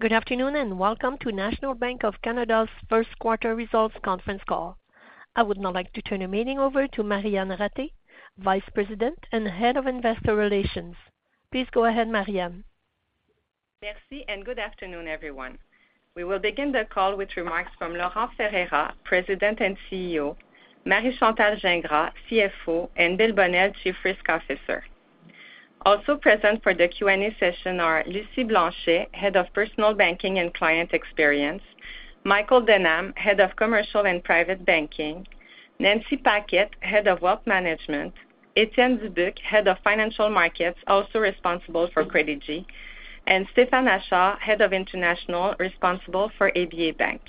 Good afternoon and welcome to National Bank of Canada's first-quarter results conference call. I would now like to turn the meeting over to Marianne Ratté, Vice President and Head of Investor Relations. Please go ahead, Marianne. Merci and good afternoon, everyone. We will begin the call with remarks from Laurent Ferreira, President and CEO, Marie-Chantal Gingras, CFO, and Bill Bonnell, Chief Risk Officer. Also present for the Q&A session are Lucie Blanchet, Head of Personal Banking and Client Experience, Michael Denham, Head of Commercial and Private Banking, Nancy Paquet, Head of Wealth Management, Étienne Dubuc, Head of Financial Markets, also responsible for Credigy, and Stéphane Achard, Head of International, responsible for ABA Bank.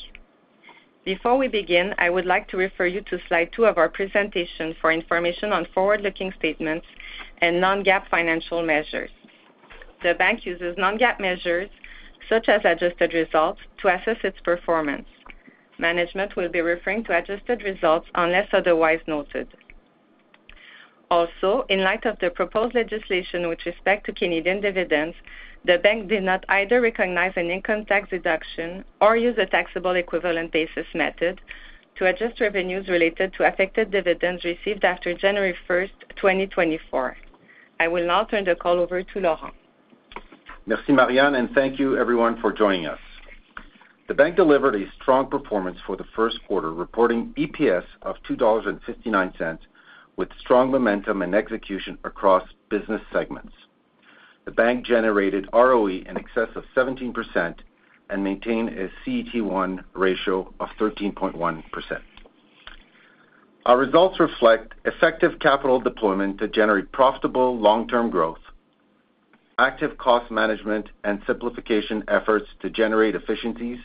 Before we begin, I would like to refer you to slide 2 of our presentation for information on forward-looking statements and non-GAAP financial measures. The bank uses non-GAAP measures, such as adjusted results, to assess its performance. Management will be referring to adjusted results unless otherwise noted. Also, in light of the proposed legislation with respect to Canadian dividends, the bank did not either recognize an income tax deduction or use a taxable equivalent basis method to adjust revenues related to affected dividends received after January 1, 2024. I will now turn the call over to Laurent. Merci, Marianne, and thank you, everyone, for joining us. The bank delivered a strong performance for the first quarter, reporting EPS of 2.59 dollars with strong momentum and execution across business segments. The bank generated ROE in excess of 17% and maintained a CET1 ratio of 13.1%. Our results reflect effective capital deployment to generate profitable long-term growth, active cost management and simplification efforts to generate efficiencies,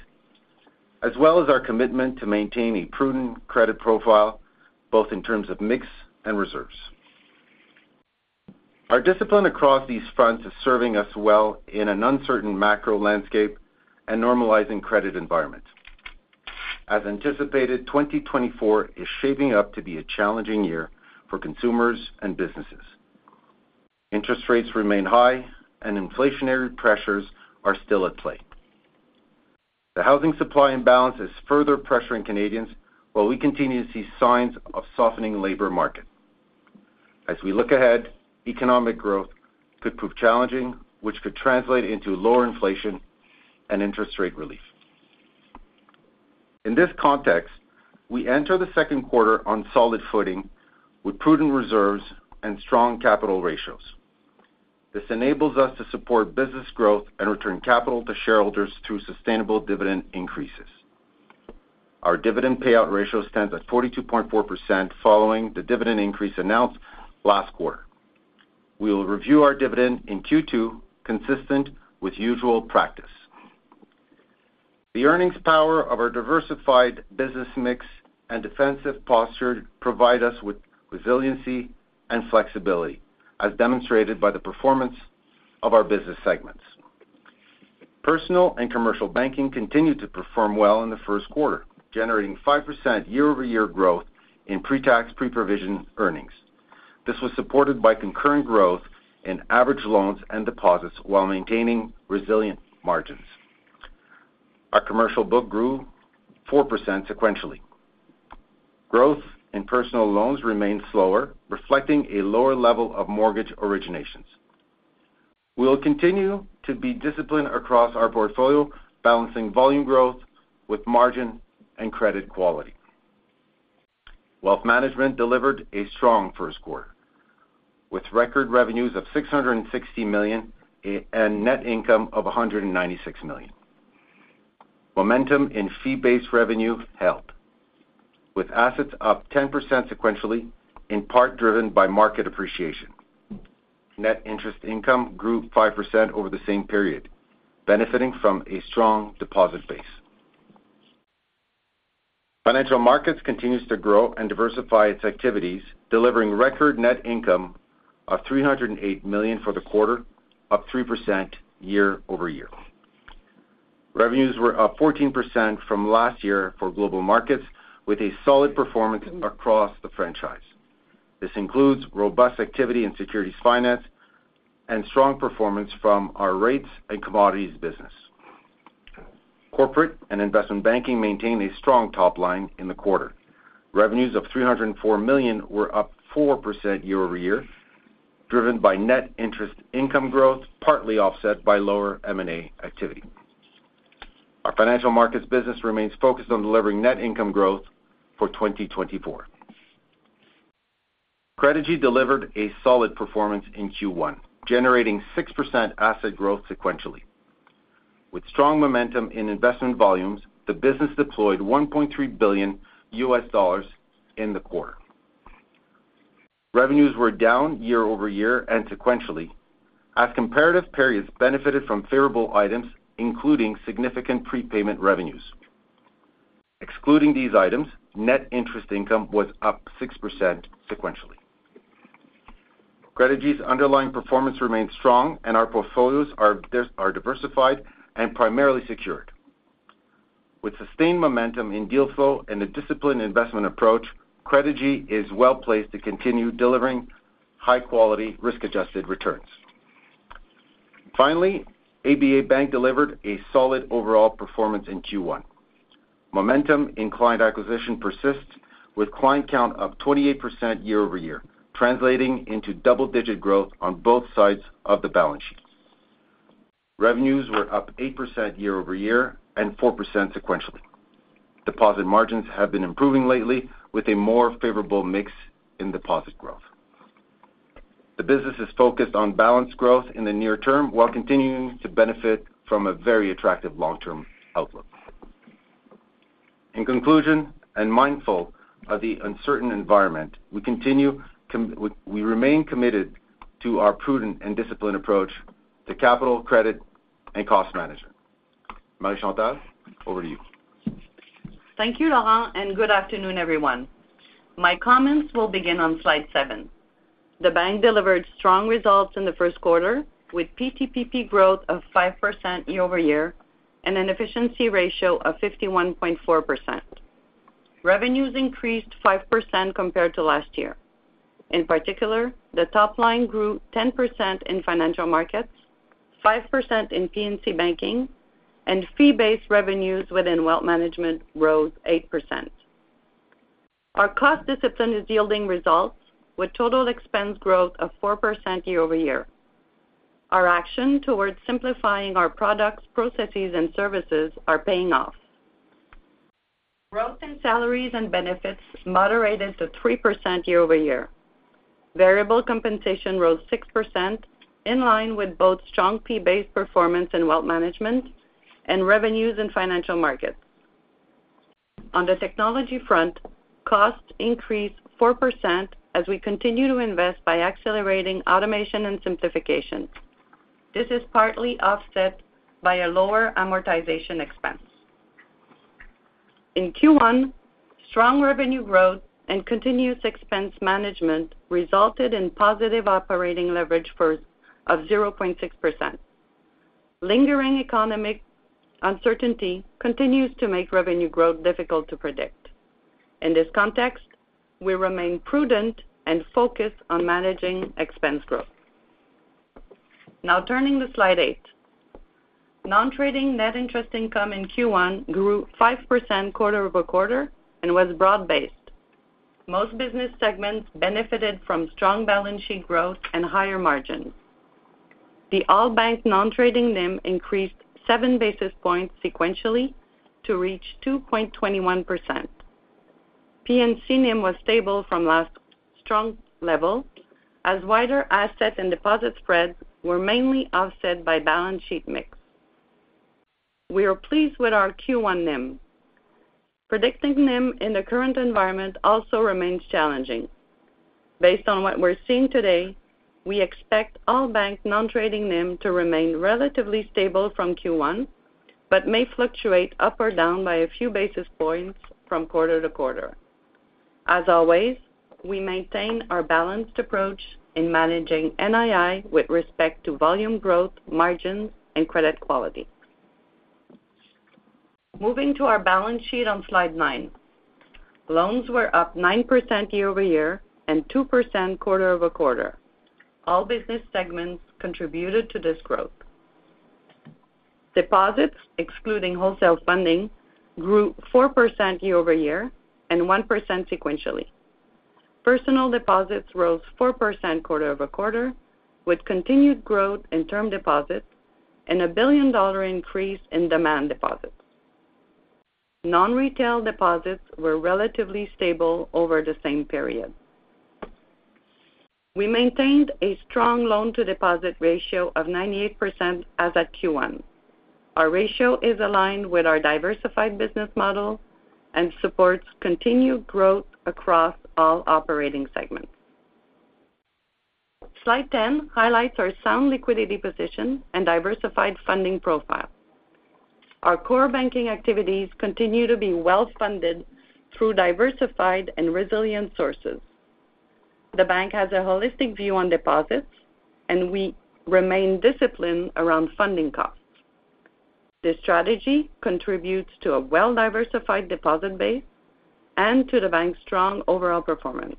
as well as our commitment to maintain a prudent credit profile both in terms of mix and reserves. Our discipline across these fronts is serving us well in an uncertain macro landscape and normalizing credit environment. As anticipated, 2024 is shaping up to be a challenging year for consumers and businesses. Interest rates remain high, and inflationary pressures are still at play. The housing supply imbalance is further pressuring Canadians while we continue to see signs of softening labor market. As we look ahead, economic growth could prove challenging, which could translate into lower inflation and interest rate relief. In this context, we enter the second quarter on solid footing with prudent reserves and strong capital ratios. This enables us to support business growth and return capital to shareholders through sustainable dividend increases. Our dividend payout ratio stands at 42.4% following the dividend increase announced last quarter. We will review our dividend in Q2 consistent with usual practice. The earnings power of our diversified business mix and defensive posture provide us with resiliency and flexibility, as demonstrated by the performance of our business segments. Personal and commercial banking continue to perform well in the first quarter, generating 5% year-over-year growth in pre-tax, pre-provision earnings. This was supported by concurrent growth in average loans and deposits while maintaining resilient margins. Our commercial book grew 4% sequentially. Growth in personal loans remained slower, reflecting a lower level of mortgage originations. We will continue to be disciplined across our portfolio, balancing volume growth with margin and credit quality. Wealth Management delivered a strong first quarter, with record revenues of 660 million and net income of 196 million. Momentum in fee-based revenue held, with assets up 10% sequentially, in part driven by market appreciation. Net interest income grew 5% over the same period, benefiting from a strong deposit base. Financial Markets continued to grow and diversify its activities, delivering record net income of 308 million for the quarter, up 3% year-over-year. Revenues were up 14% from last year for global markets, with a solid performance across the franchise. This includes robust activity in securities finance and strong performance from our rates and commodities business. Corporate and Investment Banking maintained a strong top line in the quarter. Revenues of CAD 304 million were up 4% year-over-year, driven by net interest income growth, partly offset by lower M&A activity. Our financial markets business remains focused on delivering net income growth for 2024. Credigy delivered a solid performance in Q1, generating 6% asset growth sequentially. With strong momentum in investment volumes, the business deployed CAD 1.3 billion in the quarter. Revenues were down year-over-year and sequentially, as comparative periods benefited from favorable items, including significant prepayment revenues. Excluding these items, net interest income was up 6% sequentially. Credigy's underlying performance remains strong, and our portfolios are diversified and primarily secured. With sustained momentum in deal flow and a disciplined investment approach, Credigy is well placed to continue delivering high-quality, risk-adjusted returns. Finally, ABA Bank delivered a solid overall performance in Q1. Momentum in client acquisition persists, with client count up 28% year-over-year, translating into double-digit growth on both sides of the balance sheet. Revenues were up 8% year-over-year and 4% sequentially. Deposit margins have been improving lately, with a more favorable mix in deposit growth. The business is focused on balanced growth in the near term while continuing to benefit from a very attractive long-term outlook. In conclusion, and mindful of the uncertain environment, we remain committed to our prudent and disciplined approach to capital, credit, and cost management. Marie-Chantal, over to you. Thank you, Laurent, and good afternoon, everyone. My comments will begin on slide seven. The bank delivered strong results in the first quarter, with PTPP growth of 5% year-over-year and an efficiency ratio of 51.4%. Revenues increased 5% compared to last year. In particular, the top line grew 10% in financial markets, 5% in P&C banking, and fee-based revenues within wealth management rose 8%. Our cost discipline is yielding results, with total expense growth of 4% year-over-year. Our action towards simplifying our products, processes, and services is paying off. Growth in salaries and benefits moderated to 3% year-over-year. Variable compensation rose 6%, in line with both strong fee-based performance in wealth management and revenues in financial markets. On the technology front, costs increased 4% as we continue to invest by accelerating automation and simplification. This is partly offset by a lower amortization expense. In Q1, strong revenue growth and continuous expense management resulted in positive operating leverage of 0.6%. Lingering economic uncertainty continues to make revenue growth difficult to predict. In this context, we remain prudent and focused on managing expense growth. Now turning to slide eight. Non-trading net interest income in Q1 grew 5% quarter-over-quarter and was broad-based. Most business segments benefited from strong balance sheet growth and higher margins. The all-bank non-trading NIM increased 7 basis points sequentially to reach 2.21%. P&C NIM was stable from last strong level, as wider asset and deposit spreads were mainly offset by balance sheet mix. We are pleased with our Q1 NIM. Predicting NIM in the current environment also remains challenging. Based on what we're seeing today, we expect all-bank non-trading NIM to remain relatively stable from Q1 but may fluctuate up or down by a few basis points from quarter to quarter. As always, we maintain our balanced approach in managing NII with respect to volume growth, margins, and credit quality. Moving to our balance sheet on slide 9. Loans were up 9% year-over-year and 2% quarter-over-quarter. All business segments contributed to this growth. Deposits, excluding wholesale funding, grew 4% year-over-year and 1% sequentially. Personal deposits rose 4% quarter-over-quarter, with continued growth in term deposits and a 1 billion dollar increase in demand deposits. Non-retail deposits were relatively stable over the same period. We maintained a strong loan-to-deposit ratio of 98% as at Q1. Our ratio is aligned with our diversified business model and supports continued growth across all operating segments. Slide 10 highlights our sound liquidity position and diversified funding profile. Our core banking activities continue to be well funded through diversified and resilient sources. The bank has a holistic view on deposits, and we remain disciplined around funding costs. This strategy contributes to a well-diversified deposit base and to the bank's strong overall performance.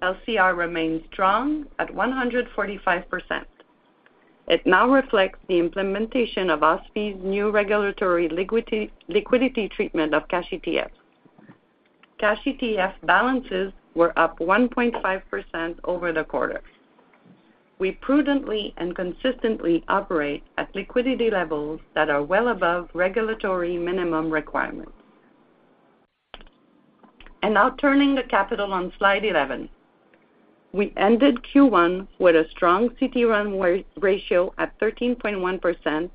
LCR remains strong at 145%. It now reflects the implementation of OSFI's new regulatory liquidity treatment of cash ETFs. Cash ETF balances were up 1.5% over the quarter. We prudently and consistently operate at liquidity levels that are well above regulatory minimum requirements. Now turning to capital on slide 11. We ended Q1 with a strong CET1 ratio at 13.1%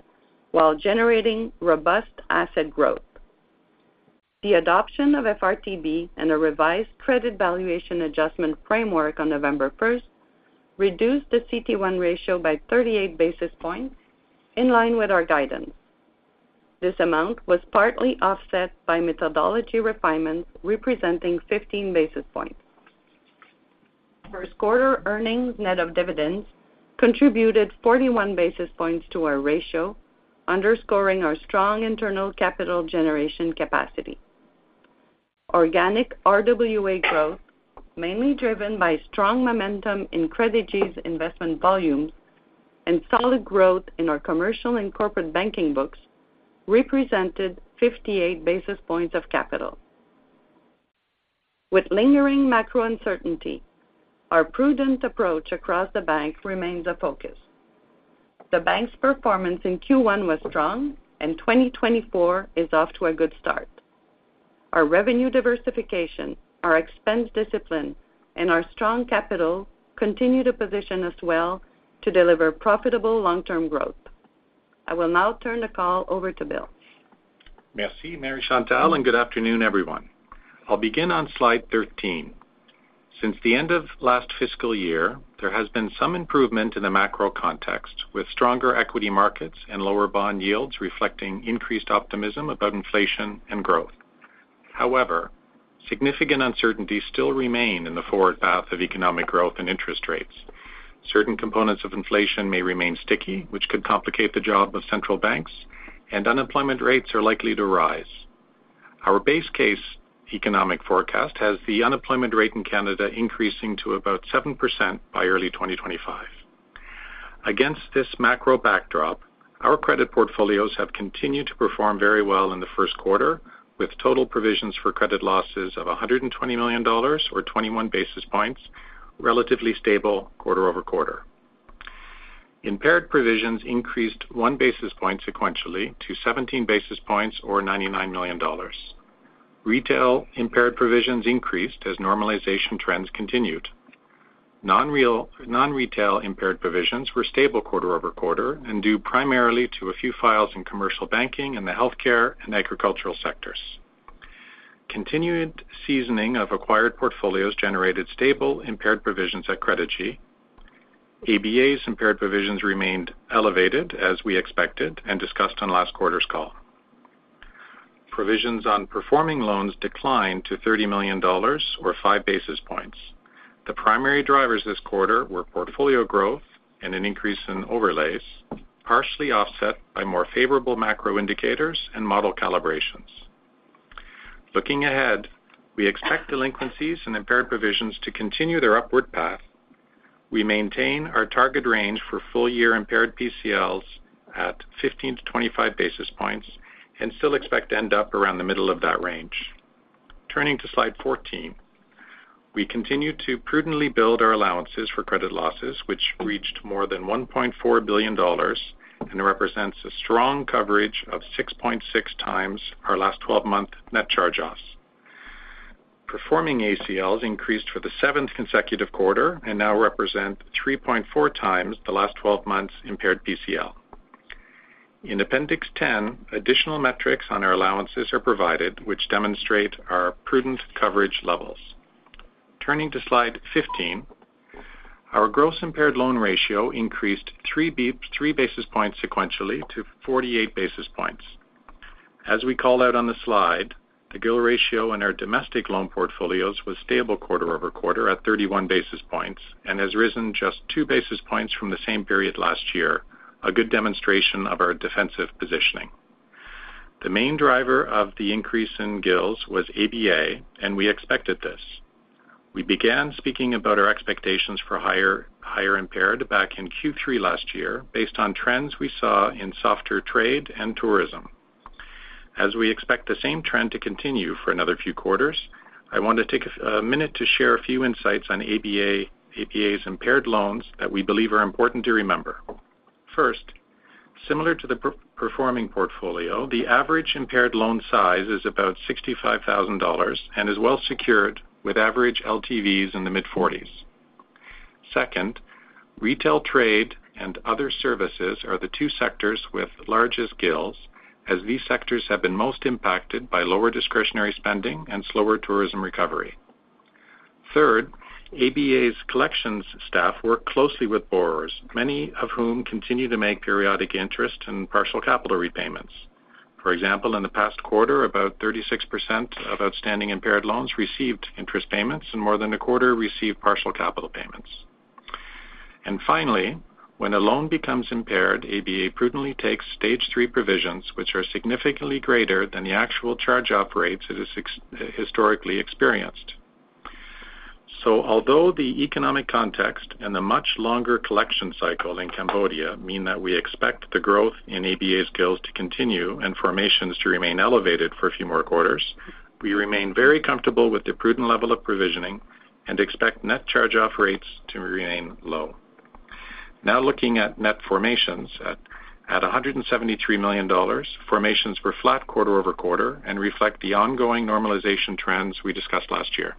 while generating robust asset growth. The adoption of FRTB and a revised credit valuation adjustment framework on November 1 reduced the CET1 ratio by 38 basis points, in line with our guidance. This amount was partly offset by methodology refinements, representing 15 basis points. First quarter earnings net of dividends contributed 41 basis points to our ratio, underscoring our strong internal capital generation capacity. Organic RWA growth, mainly driven by strong momentum in Credigy's investment volumes and solid growth in our commercial and corporate banking books, represented 58 basis points of capital. With lingering macro uncertainty, our prudent approach across the bank remains a focus. The bank's performance in Q1 was strong, and 2024 is off to a good start. Our revenue diversification, our expense discipline, and our strong capital continue to position us well to deliver profitable long-term growth. I will now turn the call over to Bill. Merci, Marie-Chantal, and good afternoon, everyone. I'll begin on slide 13. Since the end of last fiscal year, there has been some improvement in the macro context, with stronger equity markets and lower bond yields reflecting increased optimism about inflation and growth. However, significant uncertainty still remains in the forward path of economic growth and interest rates. Certain components of inflation may remain sticky, which could complicate the job of central banks, and unemployment rates are likely to rise. Our base case economic forecast has the unemployment rate in Canada increasing to about 7% by early 2025. Against this macro backdrop, our credit portfolios have continued to perform very well in the first quarter, with total provisions for credit losses of 120 million dollars or 21 basis points, relatively stable quarter-over-quarter. Impaired provisions increased 1 basis point sequentially to 17 basis points or 99 million dollars. Retail impaired provisions increased as normalization trends continued. Non-retail impaired provisions were stable quarter-over-quarter and due primarily to a few files in commercial banking and the healthcare and agricultural sectors. Continued seasoning of acquired portfolios generated stable impaired provisions at Credigy. ABA's impaired provisions remained elevated, as we expected and discussed on last quarter's call. Provisions on performing loans declined to 30 million dollars or 5 basis points. The primary drivers this quarter were portfolio growth and an increase in overlays, partially offset by more favorable macro indicators and model calibrations. Looking ahead, we expect delinquencies and impaired provisions to continue their upward path. We maintain our target range for full-year impaired PCLs at 15-25 basis points and still expect to end up around the middle of that range. Turning to slide 14. We continue to prudently build our allowances for credit losses, which reached more than 1.4 billion dollars and represents a strong coverage of 6.6 times our last 12-month net charge-offs. Performing ACLs increased for the seventh consecutive quarter and now represent 3.4 times the last 12 months' impaired PCL. In appendix 10, additional metrics on our allowances are provided, which demonstrate our prudent coverage levels. Turning to slide 15. Our gross impaired loan ratio increased 3 basis points sequentially to 48 basis points. As we call out on the slide, the GIL ratio in our domestic loan portfolios was stable quarter-over-quarter at 31 basis points and has risen just 2 basis points from the same period last year, a good demonstration of our defensive positioning. The main driver of the increase in GILs was ABA, and we expected this. We began speaking about our expectations for higher impaired back in Q3 last year based on trends we saw in softer trade and tourism. As we expect the same trend to continue for another few quarters, I want to take a minute to share a few insights on ABA's impaired loans that we believe are important to remember. First, similar to the performing portfolio, the average impaired loan size is about $65,000 and is well secured with average LTVs in the mid-forties. Second, retail trade and other services are the two sectors with largest GILs, as these sectors have been most impacted by lower discretionary spending and slower tourism recovery. Third, ABA's collections staff work closely with borrowers, many of whom continue to make periodic interest and partial capital repayments. For example, in the past quarter, about 36% of outstanding impaired loans received interest payments, and more than a quarter received partial capital payments. Finally, when a loan becomes impaired, ABA prudently takes stage three provisions, which are significantly greater than the actual charge-off rates it has historically experienced. Although the economic context and the much longer collection cycle in Cambodia mean that we expect the growth in ABA's GILs to continue and formations to remain elevated for a few more quarters, we remain very comfortable with the prudent level of provisioning and expect net charge-off rates to remain low. Now looking at net formations, at 173 million dollars, formations were flat quarter-over-quarter and reflect the ongoing normalization trends we discussed last year.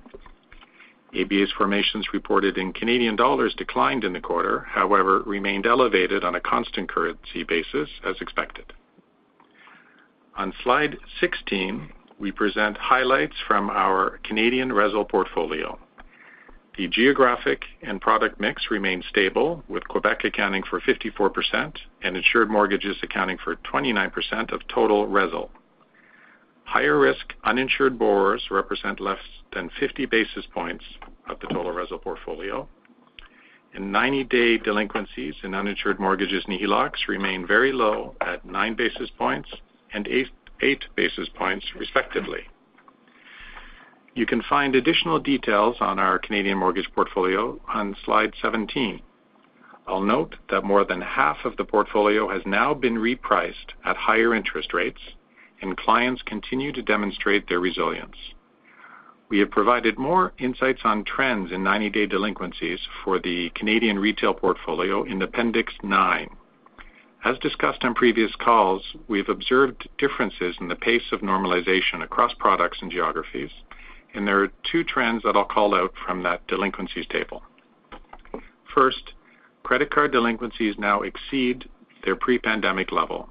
ABA's formations reported in Canadian dollars declined in the quarter, however, remained elevated on a constant currency basis, as expected. On slide 16, we present highlights from our Canadian RESL portfolio. The geographic and product mix remained stable, with Quebec accounting for 54% and insured mortgages accounting for 29% of total RESL. Higher-risk uninsured borrowers represent less than 50 basis points of the total RESL portfolio. 90-day delinquencies in uninsured mortgages and HELOCs remain very low at 9 basis points and 8 basis points, respectively. You can find additional details on our Canadian mortgage portfolio on slide 17. I'll note that more than half of the portfolio has now been repriced at higher interest rates, and clients continue to demonstrate their resilience. We have provided more insights on trends in 90-day delinquencies for the Canadian retail portfolio in appendix 9. As discussed on previous calls, we've observed differences in the pace of normalization across products and geographies, and there are two trends that I'll call out from that delinquencies table. First, credit card delinquencies now exceed their pre-pandemic level.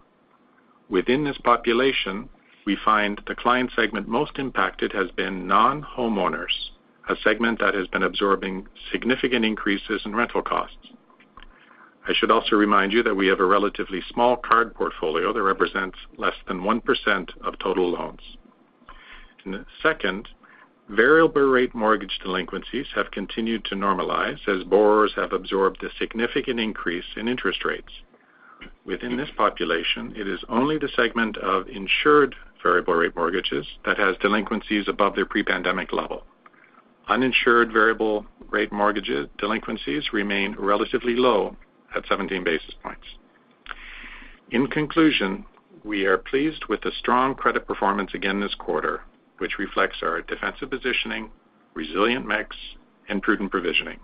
Within this population, we find the client segment most impacted has been non-homeowners, a segment that has been absorbing significant increases in rental costs. I should also remind you that we have a relatively small card portfolio that represents less than 1% of total loans. Second, variable-rate mortgage delinquencies have continued to normalize as borrowers have absorbed a significant increase in interest rates. Within this population, it is only the segment of insured variable-rate mortgages that has delinquencies above their pre-pandemic level. Uninsured variable-rate mortgage delinquencies remain relatively low at 17 basis points. In conclusion, we are pleased with the strong credit performance again this quarter, which reflects our defensive positioning, resilient mix, and prudent provisioning.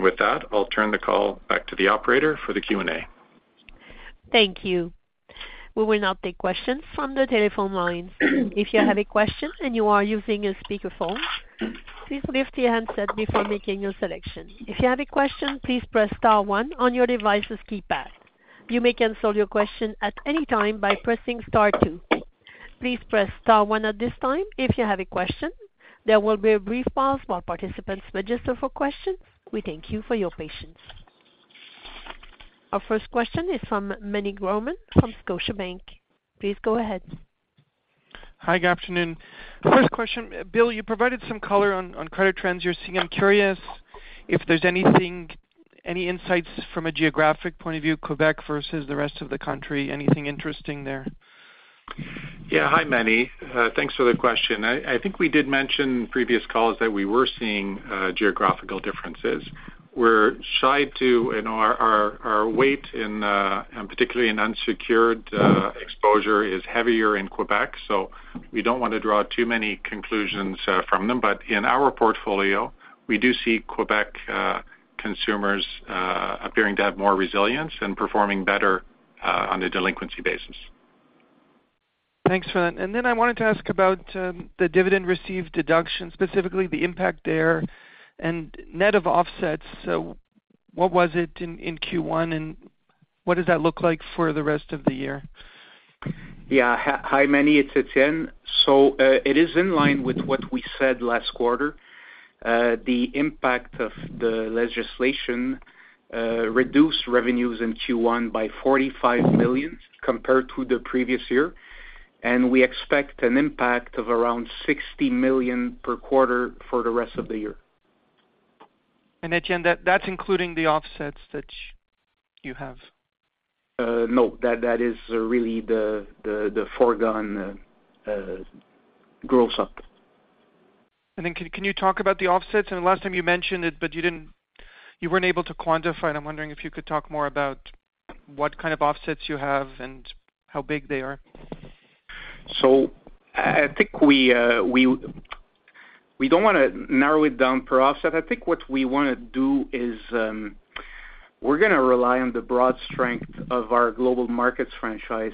With that, I'll turn the call back to the operator for the Q&A. Thank you. We will not take questions from the telephone lines. If you have a question and you are using a speakerphone, please lift your handset before making your selection. If you have a question, please press star one on your device's keypad. You may answer your question at any time by pressing star two. Please press star one at this time if you have a question. There will be a brief pause while participants register for questions. We thank you for your patience. Our first question is from Meny Grauman from Scotiabank. Please go ahead. Hi. Good afternoon. First question. Bill, you provided some color on credit trends you're seeing. I'm curious if there's anything any insights from a geographic point of view, Quebec versus the rest of the country, anything interesting there. Yeah. Hi, Meny. Thanks for the question. I think we did mention in previous calls that we were seeing geographical differences. We're seeing, too, and our weighting, and particularly in unsecured exposure, is heavier in Quebec, so we don't want to draw too many conclusions from them. But in our portfolio, we do see Quebec consumers appearing to have more resilience and performing better on a delinquency basis. Thanks for that. And then I wanted to ask about the dividend received deduction, specifically the impact there. And net of offsets, what was it in Q1, and what does that look like for the rest of the year? Yeah. Hi, Meny. It's Étienne. So it is in line with what we said last quarter. The impact of the legislation reduced revenues in Q1 by 45 million compared to the previous year, and we expect an impact of around 60 million per quarter for the rest of the year. Étienne, that's including the offsets that you have? No. That is really the foregone gross-up. And then can you talk about the offsets? And last time you mentioned it, but you weren't able to quantify it. I'm wondering if you could talk more about what kind of offsets you have and how big they are. So I think we don't want to narrow it down per offset. I think what we want to do is we're going to rely on the broad strength of our global markets franchise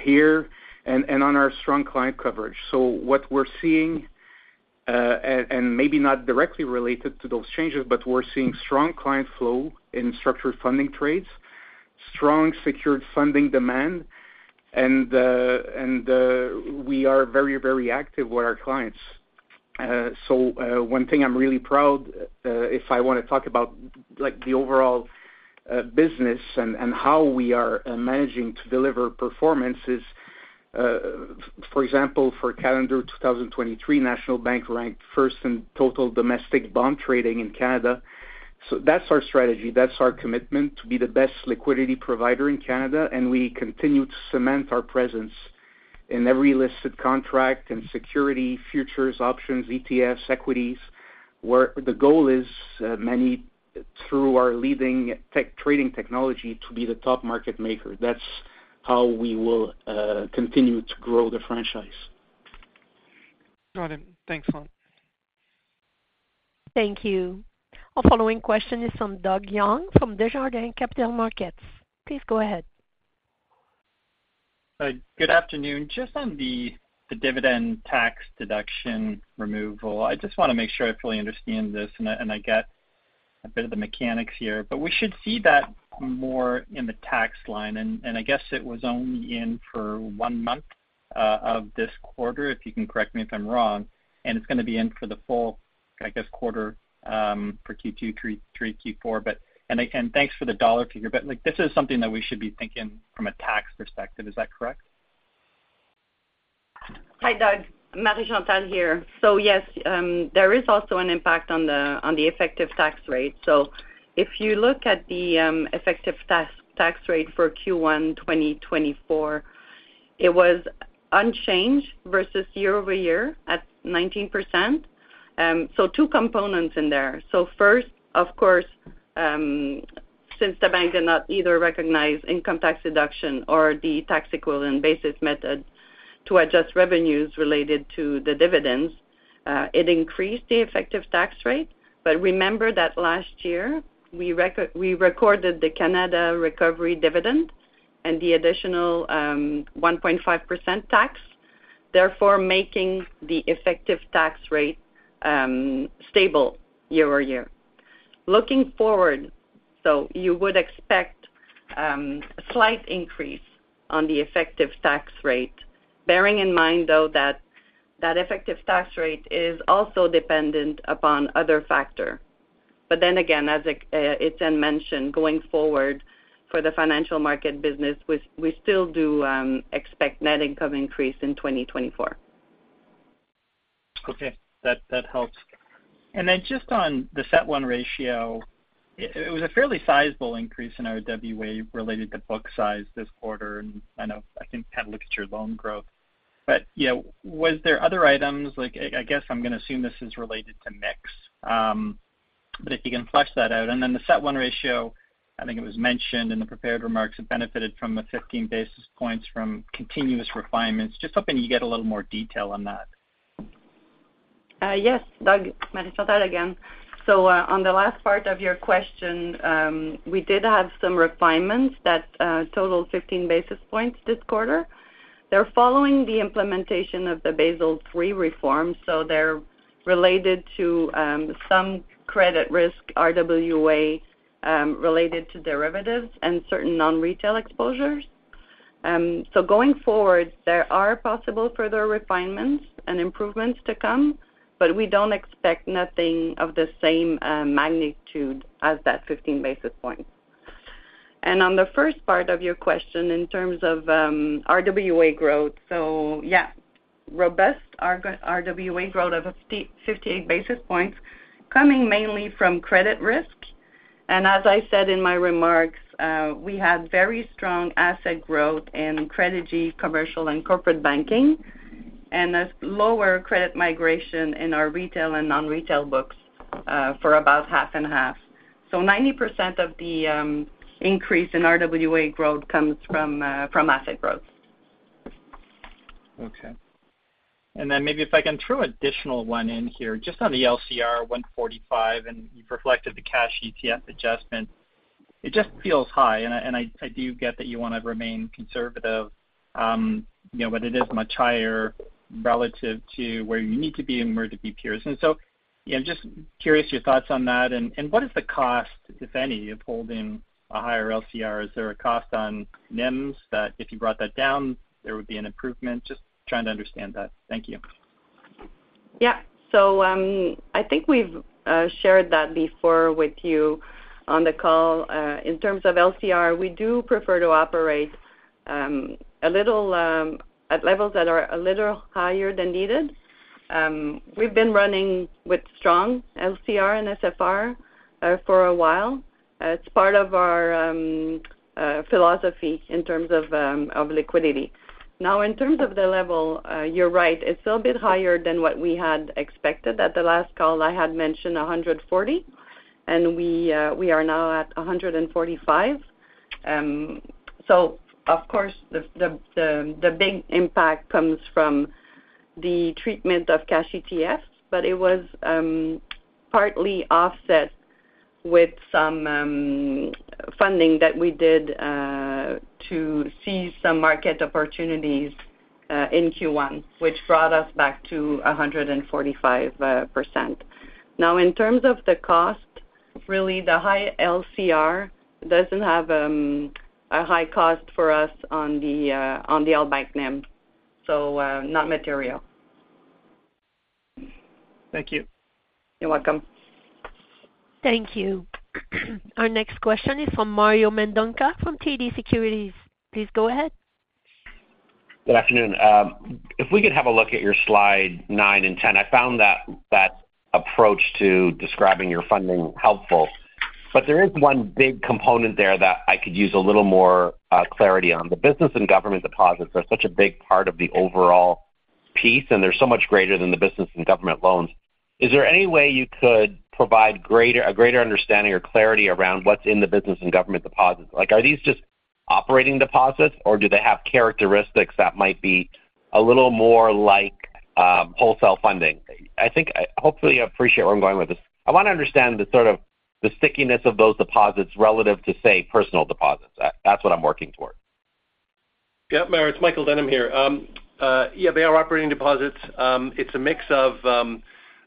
here and on our strong client coverage. So what we're seeing and maybe not directly related to those changes, but we're seeing strong client flow in structured funding trades, strong secured funding demand, and we are very, very active with our clients. So one thing I'm really proud if I want to talk about the overall business and how we are managing to deliver performance is, for example, for calendar 2023, National Bank ranked first in total domestic bond trading in Canada. So that's our strategy. That's our commitment to be the best liquidity provider in Canada, and we continue to cement our presence in every listed contract in security, futures, options, ETFs, equities. The goal is, Meny through our leading trading technology, to be the top market maker. That's how we will continue to grow the franchise. Got it. Thanks, Étienne. Thank you. Our following question is from Doug Young from Desjardins Capital Markets. Please go ahead. Good afternoon. Just on the dividend tax deduction removal, I just want to make sure I fully understand this, and I get a bit of the mechanics here. But we should see that more in the tax line, and I guess it was only in for one month of this quarter, if you can correct me if I'm wrong. And it's going to be in for the full, I guess, quarter for Q2, Q3, Q4. And thanks for the dollar figure, but this is something that we should be thinking from a tax perspective. Is that correct? Hi, Doug. Marie-Chantal here. So yes, there is also an impact on the effective tax rate. So if you look at the effective tax rate for Q1 2024, it was unchanged versus year-over-year at 19%. So two components in there. So first, of course, since the bank did not either recognize income tax deduction or the tax equivalent basis method to adjust revenues related to the dividends, it increased the effective tax rate. But remember that last year we recorded the Canada Recovery Dividend and the additional 1.5% tax, therefore making the effective tax rate stable year-over-year. Looking forward, so you would expect a slight increase on the effective tax rate, bearing in mind, though, that that effective tax rate is also dependent upon other factors. But then again, as Étienne mentioned, going forward for the financial market business, we still do expect net income increase in 2024. Okay. That helps. Then just on the CET1 ratio, it was a fairly sizable increase in our RWA related to book size this quarter. I know I can kind of look at your loan growth. But was there other items? I guess I'm going to assume this is related to mix, but if you can flesh that out. Then the CET1 ratio, I think it was mentioned in the prepared remarks, it benefited from 15 basis points from continuous refinements. Just hoping you get a little more detail on that. Yes, Doug. Marie Chantal again. So on the last part of your question, we did have some refinements that totaled 15 basis points this quarter. They're following the implementation of the Basel III reform, so they're related to some credit risk RWA related to derivatives and certain non-retail exposures. So going forward, there are possible further refinements and improvements to come, but we don't expect nothing of the same magnitude as that 15 basis points. And on the first part of your question in terms of RWA growth, so yeah, robust RWA growth of 58 basis points coming mainly from credit risk. And as I said in my remarks, we had very strong asset growth in Credigy commercial, and corporate banking, and a lower credit migration in our retail and non-retail books for about half and half. So 90% of the increase in RWA growth comes from asset growth. Okay. And then maybe if I can throw an additional one in here, just on the LCR 145 and you've reflected the cash ETF adjustment, it just feels high. And I do get that you want to remain conservative, but it is much higher relative to where you need to be and where the peers. And so just curious your thoughts on that. And what is the cost, if any, of holding a higher LCR? Is there a cost on NIMS that if you brought that down, there would be an improvement? Just trying to understand that. Thank you. Yeah. So I think we've shared that before with you on the call. In terms of LCR, we do prefer to operate at levels that are a little higher than needed. We've been running with strong LCR and SFR for a while. It's part of our philosophy in terms of liquidity. Now, in terms of the level, you're right. It's a little bit higher than what we had expected. At the last call, I had mentioned 140, and we are now at 145. So of course, the big impact comes from the treatment of cash ETFs, but it was partly offset with some funding that we did to seize some market opportunities in Q1, which brought us back to 145%. Now, in terms of the cost, really, the high LCR doesn't have a high cost for us on the LBank NIM, so not material. Thank you. You're welcome. Thank you. Our next question is from Mario Mendonca from TD Securities. Please go ahead. Good afternoon. If we could have a look at your slide 9 and 10, I found that approach to describing your funding helpful. But there is one big component there that I could use a little more clarity on. The business and government deposits are such a big part of the overall piece, and they're so much greater than the business and government loans. Is there any way you could provide a greater understanding or clarity around what's in the business and government deposits? Are these just operating deposits, or do they have characteristics that might be a little more like wholesale funding? Hopefully, I appreciate where I'm going with this. I want to understand the sort of the stickiness of those deposits relative to, say, personal deposits. That's what I'm working toward. Yep, Marie. It's Michael Denham here. Yeah, they are operating deposits. It's a mix of kind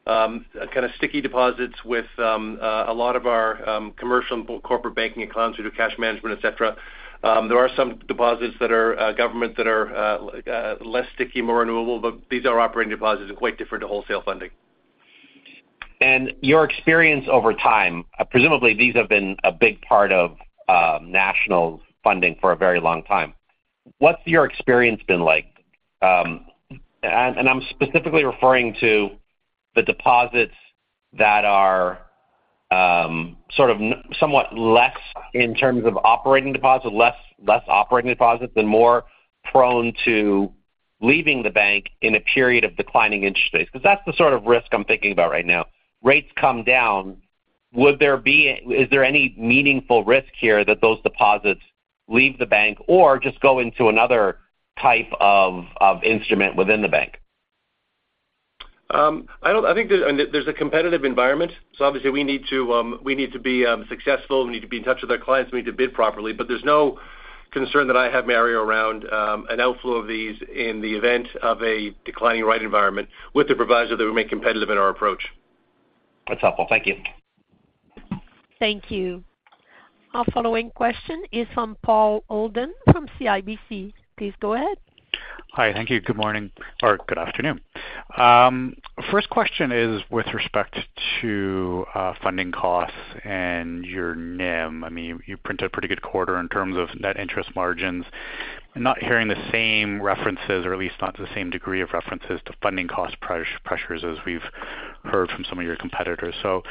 of sticky deposits with a lot of our commercial and corporate banking accounts through cash management, etc. There are some deposits that are government that are less sticky, more renewable, but these are operating deposits and quite different to wholesale funding. Your experience over time, presumably, these have been a big part of National funding for a very long time. What's your experience been like? I'm specifically referring to the deposits that are sort of somewhat less in terms of operating deposits, less operating deposits, and more prone to leaving the bank in a period of declining interest rates because that's the sort of risk I'm thinking about right now. Rates come down. Is there any meaningful risk here that those deposits leave the bank or just go into another type of instrument within the bank? I think there's a competitive environment. So obviously, we need to be successful. We need to be in touch with our clients. We need to bid properly. But there's no concern that I have, Mary, around an outflow of these in the event of a declining rate environment with the proviso that we make competitive in our approach. That's helpful. Thank you. Thank you. Our following question is from Paul Holden from CIBC. Please go ahead. Hi. Thank you. Good morning or good afternoon. First question is with respect to funding costs and your NIM. I mean, you printed a pretty good quarter in terms of net interest margins. I'm not hearing the same references or at least not to the same degree of references to funding cost pressures as we've heard from some of your competitors. So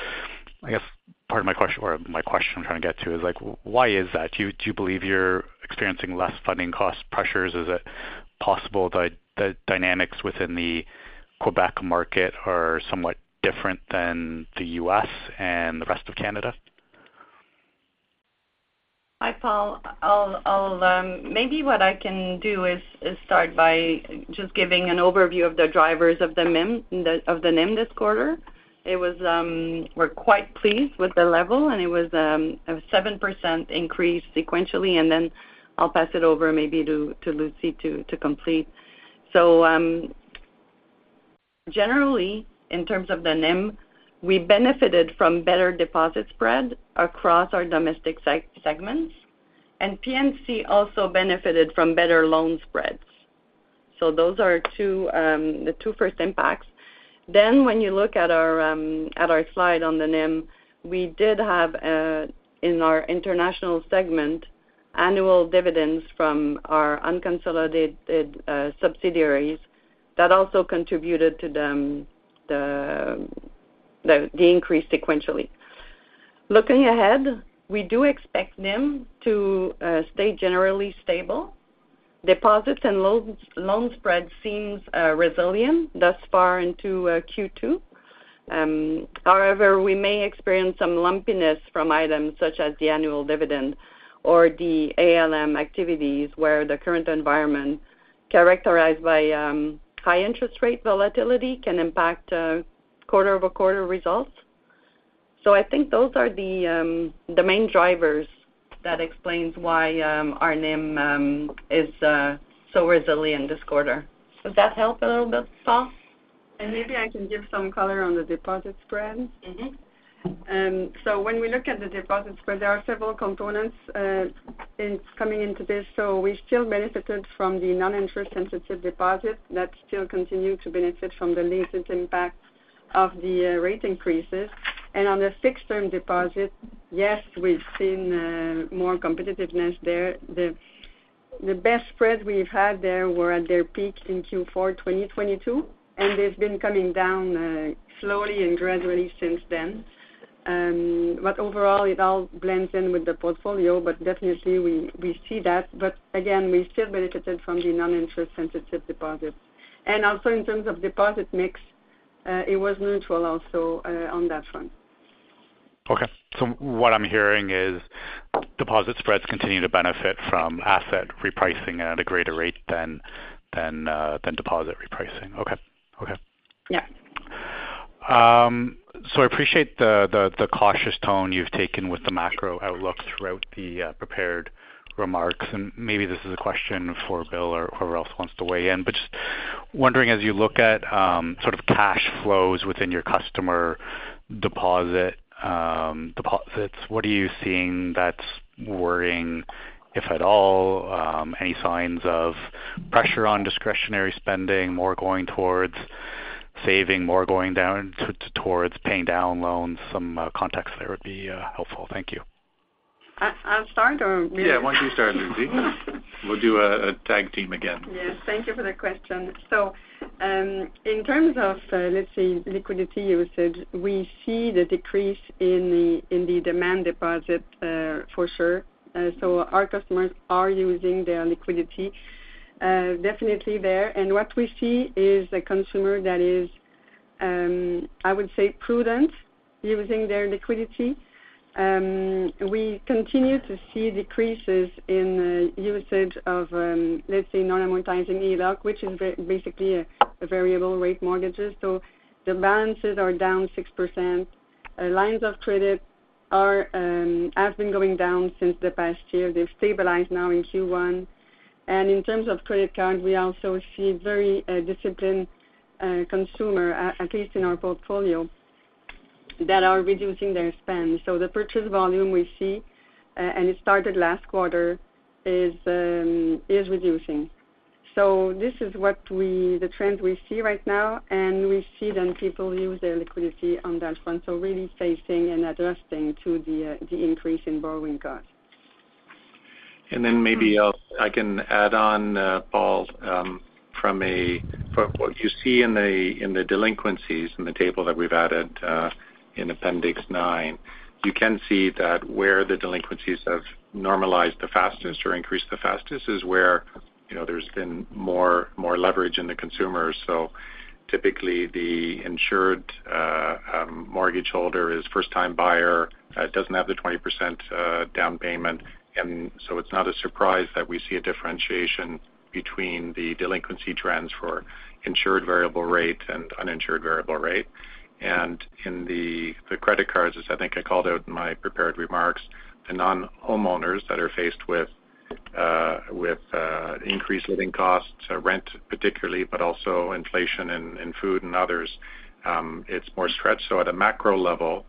I guess part of my question or my question I'm trying to get to is why is that? Do you believe you're experiencing less funding cost pressures? Is it possible that dynamics within the Quebec market are somewhat different than the U.S. and the rest of Canada? Hi, Paul. Maybe what I can do is start by just giving an overview of the drivers of the NIM this quarter. We're quite pleased with the level, and it was a 7% increase sequentially. Then I'll pass it over maybe to Lucie to complete. So generally, in terms of the NIM, we benefited from better deposit spread across our domestic segments, and P&C also benefited from better loan spreads. So those are the two first impacts. Then when you look at our slide on the NIM, we did have, in our international segment, annual dividends from our unconsolidated subsidiaries that also contributed to the increase sequentially. Looking ahead, we do expect NIM to stay generally stable. Deposits and loan spread seems resilient thus far into Q2. However, we may experience some lumpiness from items such as the annual dividend or the ALM activities where the current environment characterized by high interest rate volatility can impact quarter-over-quarter results. So I think those are the main drivers that explains why our NIM is so resilient this quarter. Does that help a little bit, Paul? And maybe I can give some color on the deposit spread. So when we look at the deposit spread, there are several components coming into this. So we still benefited from the non-interest-sensitive deposit that still continues to benefit from the limited impact of the rate increases. And on the fixed-term deposit, yes, we've seen more competitiveness there. The best spreads we've had there were at their peak in Q4 2022, and they've been coming down slowly and gradually since then. But overall, it all blends in with the portfolio, but definitely, we see that. But again, we still benefited from the non-interest-sensitive deposits. And also in terms of deposit mix, it was neutral also on that front. Okay. So what I'm hearing is deposit spreads continue to benefit from asset repricing at a greater rate than deposit repricing. Okay. Okay. Yeah. So I appreciate the cautious tone you've taken with the macro outlook throughout the prepared remarks. And maybe this is a question for Bill or whoever else wants to weigh in, but just wondering, as you look at sort of cash flows within your customer deposits, what are you seeing that's worrying, if at all? Any signs of pressure on discretionary spending, more going towards saving, more going towards paying down loans? Some context there would be helpful. Thank you. I'm sorry to really. Yeah. Why don't you start, Lucie? We'll do a tag team again. Yes. Thank you for the question. So in terms of, let's say, liquidity, you said we see the decrease in the demand deposit for sure. So our customers are using their liquidity, definitely there. And what we see is a consumer that is, I would say, prudent using their liquidity. We continue to see decreases in usage of, let's say, non-amortizing HELOC, which is basically a variable-rate mortgage. So the balances are down 6%. Lines of credit have been going down since the past year. They've stabilized now in Q1. And in terms of credit card, we also see a very disciplined consumer, at least in our portfolio, that are reducing their spend. So the purchase volume we see, and it started last quarter, is reducing. So this is the trend we see right now, and we see then people use their liquidity on that front, so really facing and adjusting to the increase in borrowing costs. And then maybe I can add on, Paul, from what you see in the delinquencies in the table that we've added in appendix 9, you can see that where the delinquencies have normalized the fastest or increased the fastest is where there's been more leverage in the consumers. So typically, the insured mortgage holder is first-time buyer, doesn't have the 20% down payment. And so it's not a surprise that we see a differentiation between the delinquency trends for insured variable rate and uninsured variable rate. And in the credit cards, as I think I called out in my prepared remarks, the non-homeowners that are faced with increased living costs, rent particularly, but also inflation in food and others, it's more stretched. So at a macro level,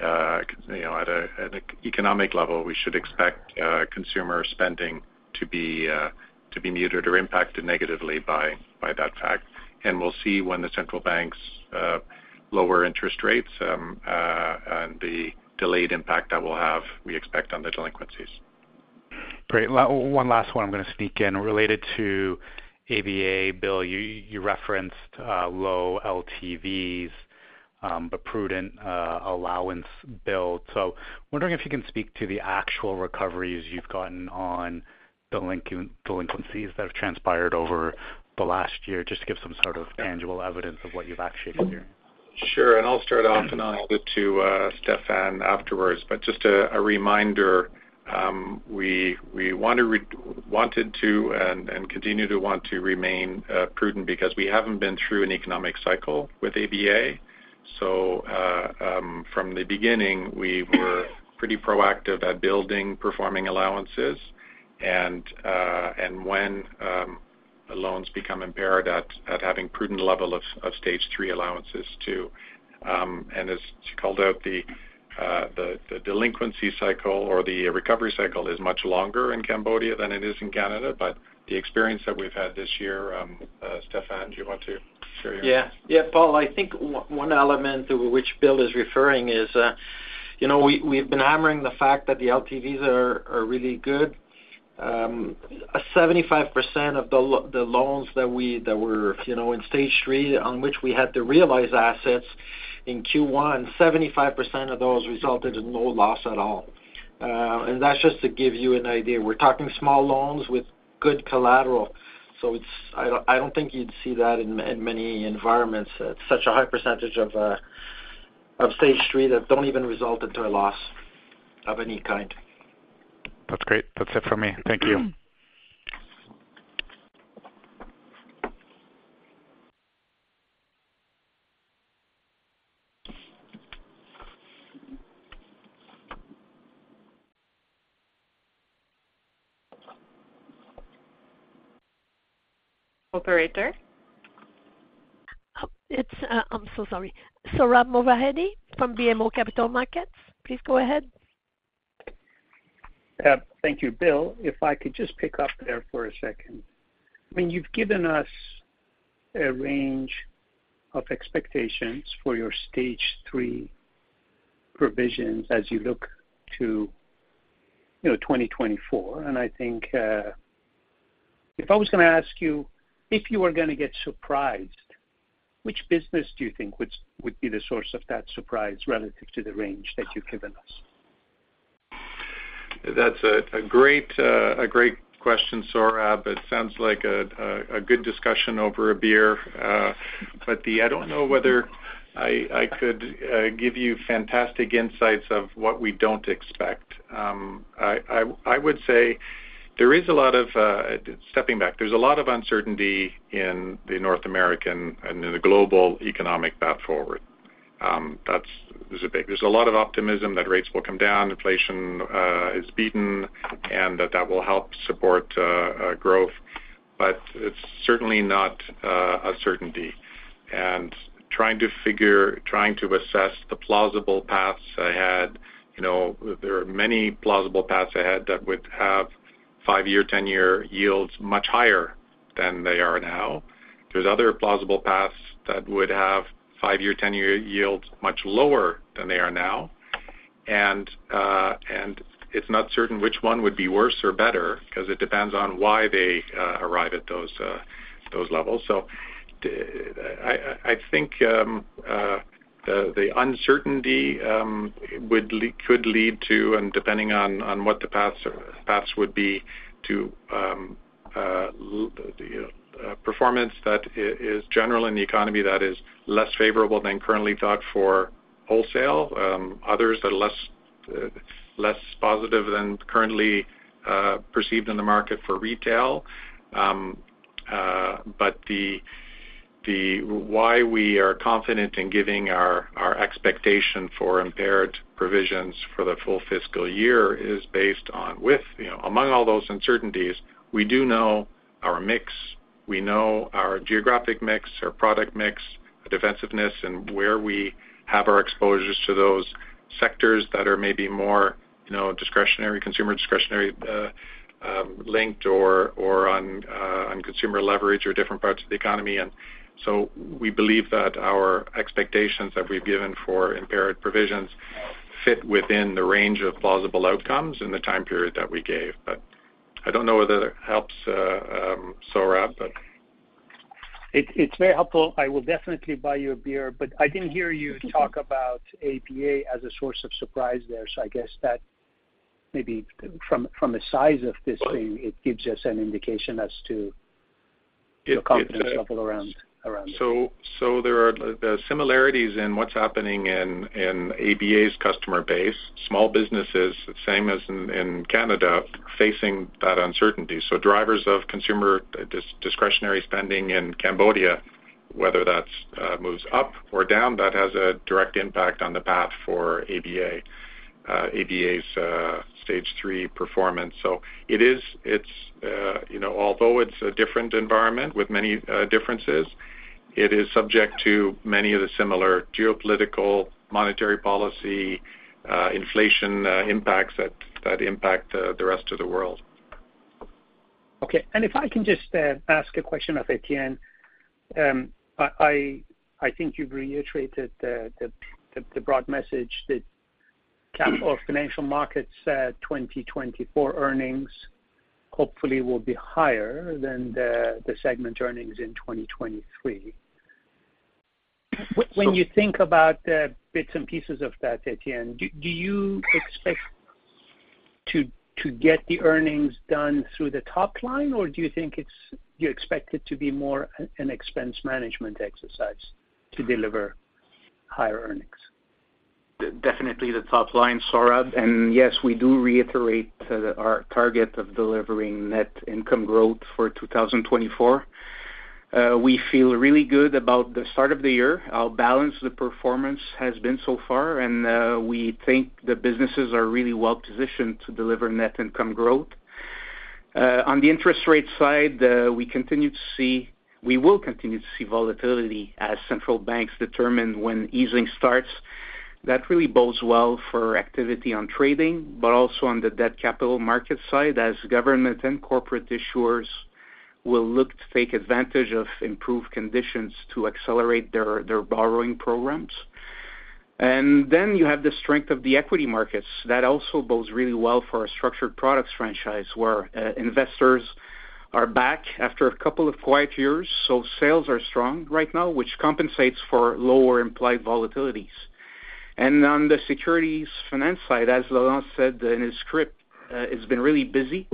at an economic level, we should expect consumer spending to be muted or impacted negatively by that fact. And we'll see when the central banks lower interest rates and the delayed impact that will have, we expect, on the delinquencies. Great. One last one. I'm going to sneak in. Related to ABA, Bill, you referenced low LTVs but prudent allowance builds. So wondering if you can speak to the actual recoveries you've gotten on the delinquencies that have transpired over the last year, just to give some sort of tangible evidence of what you've actually experienced. Sure. I'll start off, and I'll add it to Stéphane afterwards. But just a reminder, we wanted to and continue to want to remain prudent because we haven't been through an economic cycle with ABA. From the beginning, we were pretty proactive at building performing allowances. And when loans become impaired at having prudent level of stage three allowances too and as you called out, the delinquency cycle or the recovery cycle is much longer in Cambodia than it is in Canada. But the experience that we've had this year, Stéphane, do you want to share your insight? Yeah. Yeah, Paul, I think one element to which Bill is referring is we've been hammering the fact that the LTVs are really good. 75% of the loans that were in stage three on which we had to realize assets in Q1, 75% of those resulted in no loss at all. And that's just to give you an idea. We're talking small loans with good collateral. So I don't think you'd see that in many environments, such a high percentage of stage three that don't even result into a loss of any kind. That's great. That's it from me. Thank you. Operator? I'm so sorry. Sohrab Movahedi from BMO Capital Markets. Please go ahead. Thank you. Bill, if I could just pick up there for a second. I mean, you've given us a range of expectations for your stage three provisions as you look to 2024. And I think if I was going to ask you, if you were going to get surprised, which business do you think would be the source of that surprise relative to the range that you've given us? That's a great question, Sohrab. It sounds like a good discussion over a beer. But I don't know whether I could give you fantastic insights of what we don't expect. I would say there is a lot of stepping back. There's a lot of uncertainty in the North American and in the global economic path forward. There's a lot of optimism that rates will come down, inflation is beaten, and that will help support growth. But it's certainly not a certainty. And trying to assess the plausible paths ahead, there are many plausible paths ahead that would have 5-year, 10-year yields much higher than they are now. There's other plausible paths that would have 5-year, 10-year yields much lower than they are now. It's not certain which one would be worse or better because it depends on why they arrive at those levels. I think the uncertainty could lead to and depending on what the paths would be to performance that is general in the economy that is less favorable than currently thought for wholesale, others that are less positive than currently perceived in the market for retail. Why we are confident in giving our expectation for impaired provisions for the full fiscal year is based on with among all those uncertainties, we do know our mix. We know our geographic mix, our product mix, defensiveness, and where we have our exposures to those sectors that are maybe more discretionary, consumer discretionary-linked or on consumer leverage or different parts of the economy. We believe that our expectations that we've given for impaired provisions fit within the range of plausible outcomes in the time period that we gave. But I don't know whether that helps, Sohrab, but. It's very helpful. I will definitely buy your beer. But I didn't hear you talk about ABA as a source of surprise there. So I guess that maybe from the size of this thing, it gives us an indication as to your confidence level around it. So there are similarities in what's happening in ABA's customer base, small businesses, same as in Canada, facing that uncertainty. So drivers of consumer discretionary spending in Cambodia, whether that moves up or down, that has a direct impact on the path for ABA's stage three performance. So although it's a different environment with many differences, it is subject to many of the similar geopolitical, monetary policy, inflation impacts that impact the rest of the world. Okay. And if I can just ask a question of Étienne, I think you've reiterated the broad message that capital or Financial Markets' 2024 earnings hopefully will be higher than the segment earnings in 2023. When you think about the bits and pieces of that, Étienne, do you expect to get the earnings done through the top line, or do you think it's you expect it to be more an expense management exercise to deliver higher earnings? Definitely the top line, Sohrab. Yes, we do reiterate our target of delivering net income growth for 2024. We feel really good about the start of the year. Our balance of the performance has been so far, and we think the businesses are really well positioned to deliver net income growth. On the interest rate side, we will continue to see volatility as central banks determine when easing starts. That really bodes well for activity on trading, but also on the debt capital market side as government and corporate issuers will look to take advantage of improved conditions to accelerate their borrowing programs. Then you have the strength of the equity markets. That also bodes really well for our structured products franchise where investors are back after a couple of quiet years. Sales are strong right now, which compensates for lower implied volatilities. On the securities finance side, as Laurent said in his script, it's been really busy,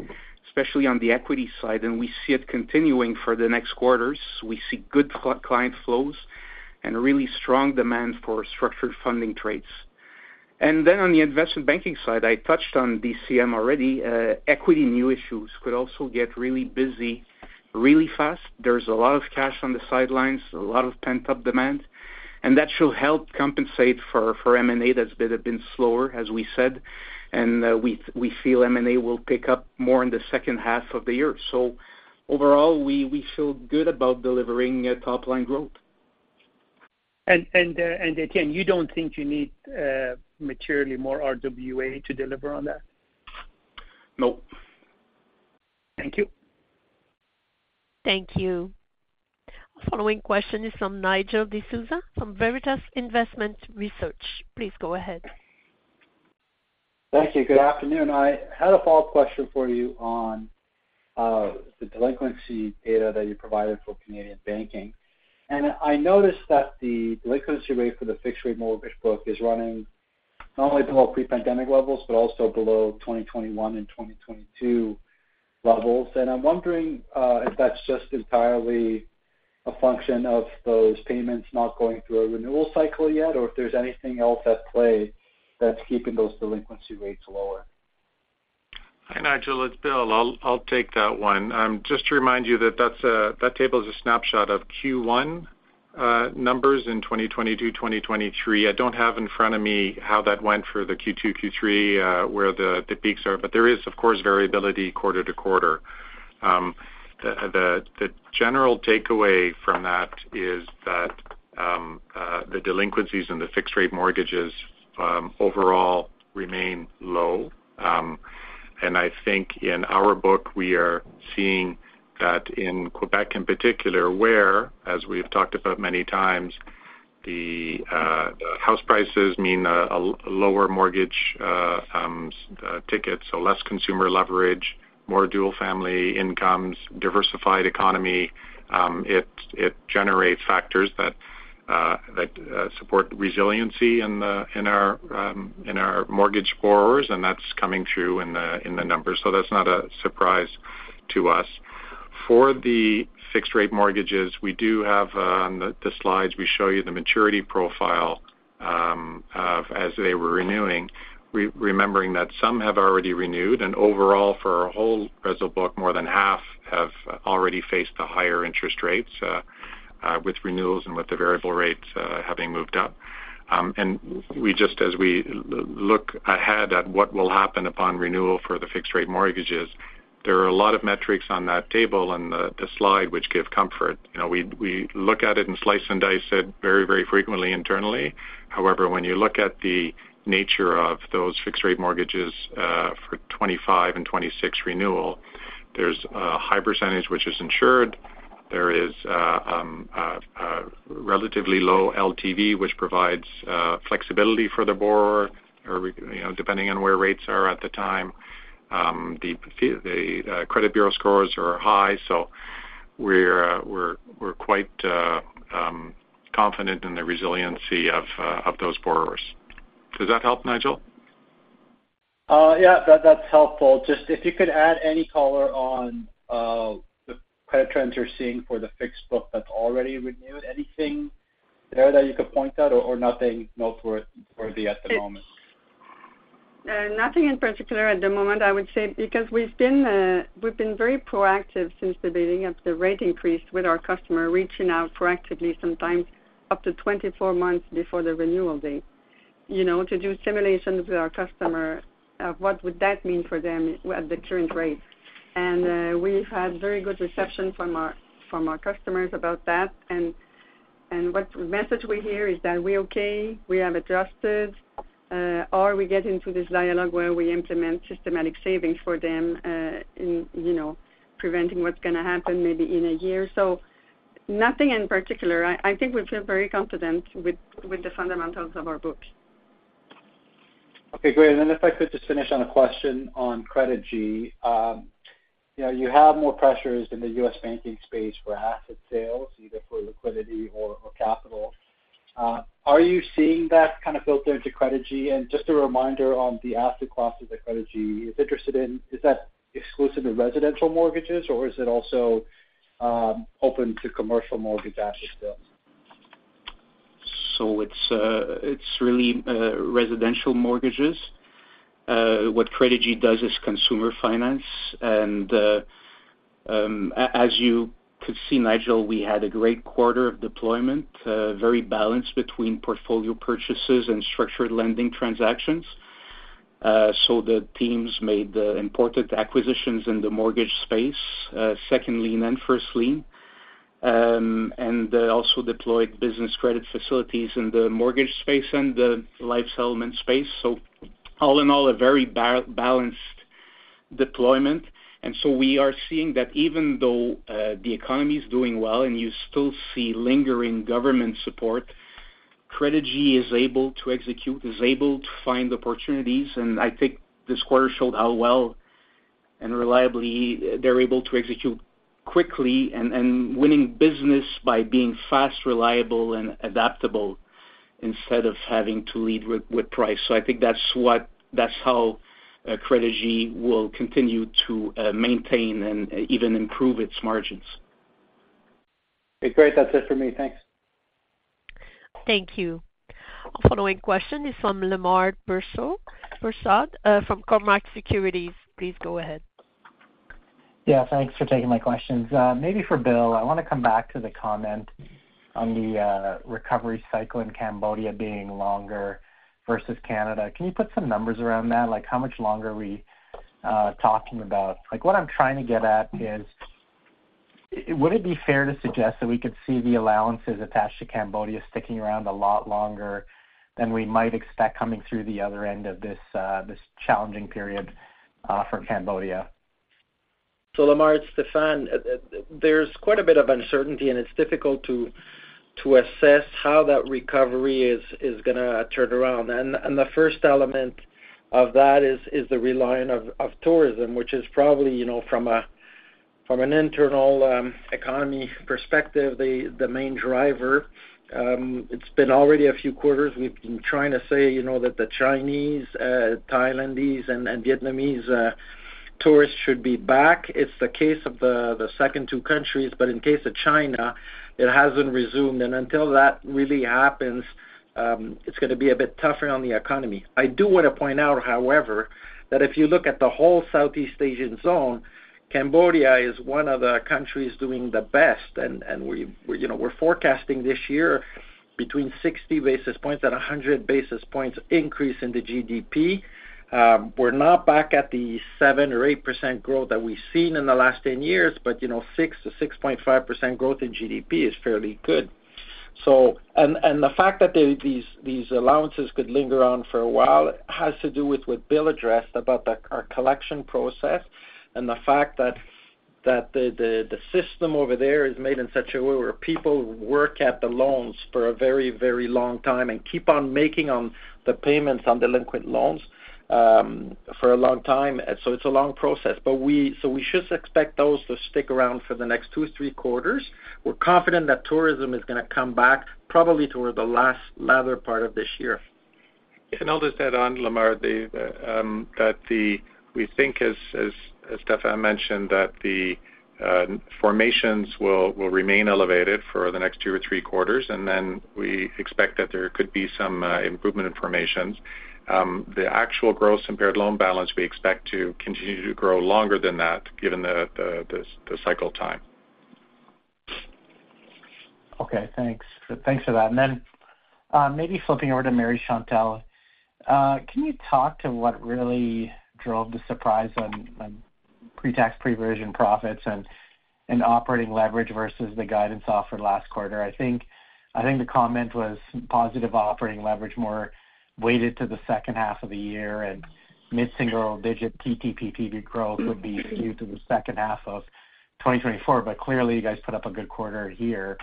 especially on the equity side. We see it continuing for the next quarters. We see good client flows and really strong demand for structured funding trades. Then on the investment banking side, I touched on DCM already, equity new issues could also get really busy, really fast. There's a lot of cash on the sidelines, a lot of pent-up demand. That should help compensate for M&A that's been slower, as we said. We feel M&A will pick up more in the second half of the year. Overall, we feel good about delivering top-line growth. Étienne, you don't think you need materially more RWA to deliver on that? Nope. Thank you. Thank you. Following question is from Nigel D'Souza from Veritas Investment Research. Please go ahead. Thank you. Good afternoon. I had a follow-up question for you on the delinquency data that you provided for Canadian banking. I'm wondering if that's just entirely a function of those payments not going through a renewal cycle yet or if there's anything else at play that's keeping those delinquency rates lower? Hi, Nigel. It's Will. I'll take that one. Just to remind you that that table is a snapshot of Q1 numbers in 2022, 2023. I don't have in front of me how that went for the Q2, Q3, where the peaks are. But there is, of course, variability quarter to quarter. The general takeaway from that is that the delinquencies in the fixed-rate mortgages overall remain low. And I think in our book, we are seeing that in Quebec in particular where, as we've talked about many times, the house prices mean lower mortgage tickets, so less consumer leverage, more dual-family incomes, diversified economy. It generates factors that support resiliency in our mortgage borrowers, and that's coming through in the numbers. So that's not a surprise to us. For the fixed-rate mortgages, we do have on the slides, we show you the maturity profile as they were renewing, remembering that some have already renewed. Overall, for our whole RESL book, more than half have already faced the higher interest rates with renewals and with the variable rates having moved up. Just as we look ahead at what will happen upon renewal for the fixed-rate mortgages, there are a lot of metrics on that table and the slide which give comfort. We look at it and slice and dice it very, very frequently internally. However, when you look at the nature of those fixed-rate mortgages for 2025 and 2026 renewal, there's a high percentage which is insured. There is a relatively low LTV which provides flexibility for the borrower depending on where rates are at the time. The credit bureau scores are high. We're quite confident in the resiliency of those borrowers. Does that help, Nigel? Yeah, that's helpful. Just if you could add any color on the credit trends you're seeing for the fixed book that's already renewed, anything there that you could point out or nothing noteworthy at the moment? Nothing in particular at the moment, I would say, because we've been very proactive since the beginning of the rate increase with our customer, reaching out proactively sometimes up to 24 months before the renewal date to do simulations with our customer of what would that mean for them at the current rate. We've had very good reception from our customers about that. What message we hear is that we're okay, we have adjusted, or we get into this dialogue where we implement systematic savings for them in preventing what's going to happen maybe in a year. Nothing in particular. I think we feel very confident with the fundamentals of our book. Okay. Great. And then if I could just finish on a question on Credigy, you have more pressures in the U.S. banking space for asset sales, either for liquidity or capital. Are you seeing that kind of built into Credigy? And just a reminder on the asset classes that Credigy is interested in, is that exclusive to residential mortgages, or is it also open to commercial mortgage asset sales? It's really residential mortgages. What Credigy does is consumer finance. As you could see, Nigel, we had a great quarter of deployment, very balanced between portfolio purchases and structured lending transactions. The teams made the important acquisitions in the mortgage space, second lien and first lien, and also deployed business credit facilities in the mortgage space and the life settlement space. All in all, a very balanced deployment. We are seeing that even though the economy is doing well and you still see lingering government support, Credigy is able to execute, is able to find opportunities. I think this quarter showed how well and reliably they're able to execute quickly and winning business by being fast, reliable, and adaptable instead of having to lead with price. I think that's how Credigy will continue to maintain and even improve its margins. Okay. Great. That's it for me. Thanks. Thank you. Following question is from Lemar Persaud from Cormark Securities. Please go ahead. Yeah. Thanks for taking my questions. Maybe for Bill, I want to come back to the comment on the recovery cycle in Cambodia being longer versus Canada. Can you put some numbers around that, like how much longer we're talking about? What I'm trying to get at is, would it be fair to suggest that we could see the allowances attached to Cambodia sticking around a lot longer than we might expect coming through the other end of this challenging period for Cambodia? So Lemar, Stéphane, there's quite a bit of uncertainty, and it's difficult to assess how that recovery is going to turn around. The first element of that is the relying of tourism, which is probably, from an internal economy perspective, the main driver. It's been already a few quarters. We've been trying to say that the Chinese, Thai, and Vietnamese tourists should be back. It's the case of the second two countries. But in case of China, it hasn't resumed. And until that really happens, it's going to be a bit tougher on the economy. I do want to point out, however, that if you look at the whole Southeast Asian zone, Cambodia is one of the countries doing the best. And we're forecasting this year between 60 basis points and 100 basis points increase in the GDP. We're not back at the 7% or 8% growth that we've seen in the last 10 years, but 6%-6.5% growth in GDP is fairly good. The fact that these allowances could linger on for a while has to do with what Bill addressed about our collection process and the fact that the system over there is made in such a way where people work at the loans for a very, very long time and keep on making on the payments on delinquent loans for a long time. It's a long process. We should expect those to stick around for the next two to three quarters. We're confident that tourism is going to come back probably toward the last latter part of this year. If I can add on, Lemar, that we think, as Stéphane mentioned, that the formations will remain elevated for the next two or three quarters, and then we expect that there could be some improvement in formations. The actual gross-impaired loan balance, we expect to continue to grow longer than that given the cycle time. Okay. Thanks for that. And then maybe flipping over to Marie Chantal. Can you talk to what really drove the surprise on pre-tax pre-provision profits and operating leverage versus the guidance offered last quarter? I think the comment was positive operating leverage more weighted to the second half of the year, and mid-single-digit PTPP growth would be skewed to the second half of 2024. But clearly, you guys put up a good quarter here.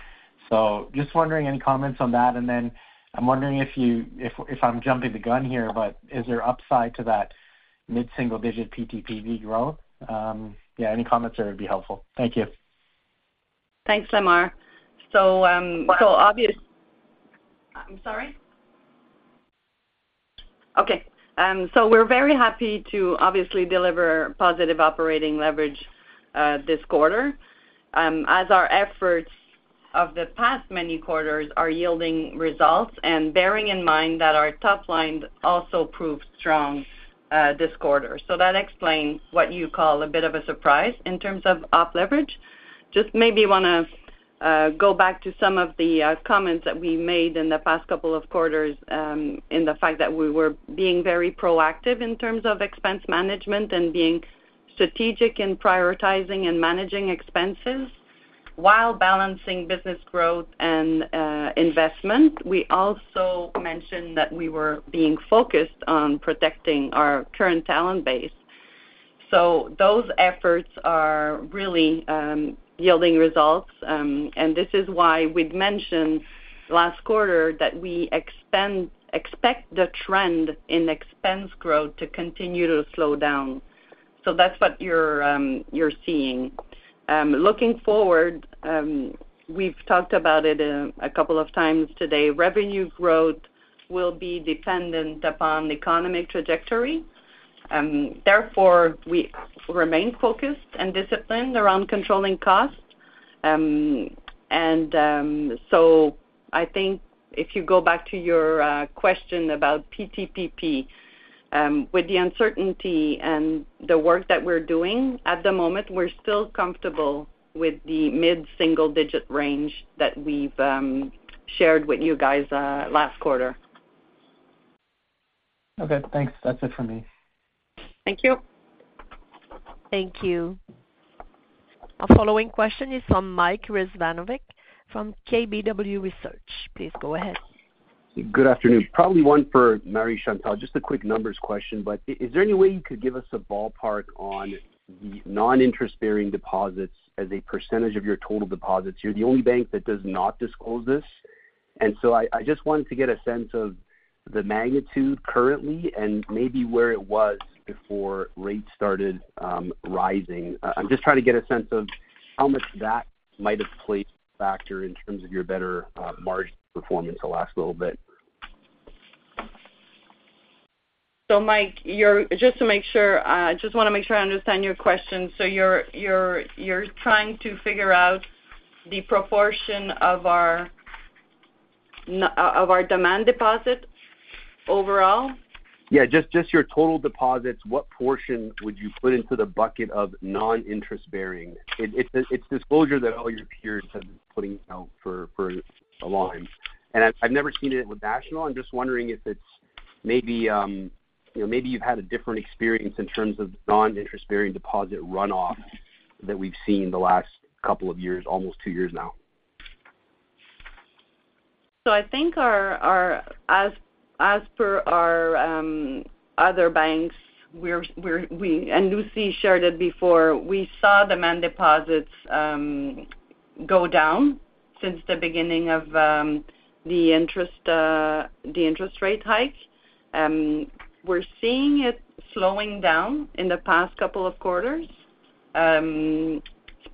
So just wondering any comments on that. And then I'm wondering if I'm jumping the gun here, but is there upside to that mid-single-digit PTPP growth? Yeah, any comments there would be helpful. Thank you. Thanks, Lemar. So obvious. I'm sorry? Okay. So we're very happy to, obviously, deliver positive operating leverage this quarter as our efforts of the past many quarters are yielding results and bearing in mind that our top-line also proved strong this quarter. So that explains what you call a bit of a surprise in terms of op leverage. Just maybe want to go back to some of the comments that we made in the past couple of quarters in the fact that we were being very proactive in terms of expense management and being strategic in prioritizing and managing expenses while balancing business growth and investment. We also mentioned that we were being focused on protecting our current talent base. So those efforts are really yielding results. And this is why we'd mentioned last quarter that we expect the trend in expense growth to continue to slow down. So that's what you're seeing. Looking forward, we've talked about it a couple of times today. Revenue growth will be dependent upon economic trajectory. Therefore, we remain focused and disciplined around controlling costs. And so I think if you go back to your question about PTPP, with the uncertainty and the work that we're doing at the moment, we're still comfortable with the mid-single-digit range that we've shared with you guys last quarter. Okay. Thanks. That's it for me. Thank you. Thank you. A following question is from Mike Rizvanovic from KBW Research. Please go ahead. Good afternoon. Probably one for Marie Chantal, just a quick numbers question. But is there any way you could give us a ballpark on the non-interest-bearing deposits as a percentage of your total deposits? You're the only bank that does not disclose this. And so I just wanted to get a sense of the magnitude currently and maybe where it was before rates started rising. I'm just trying to get a sense of how much that might have played a factor in terms of your better margin performance the last little bit. So Mike, just to make sure I just want to make sure I understand your question. So you're trying to figure out the proportion of our demand deposit overall? Yeah. Just your total deposits, what portion would you put into the bucket of non-interest-bearing? It's disclosure that all your peers have been putting out for a while. And I've never seen it with National. I'm just wondering if it's maybe you've had a different experience in terms of non-interest-bearing deposit runoff that we've seen the last couple of years, almost two years now. I think as per our other banks, and Lucie shared it before, we saw demand deposits go down since the beginning of the interest rate hike. We're seeing it slowing down in the past couple of quarters. In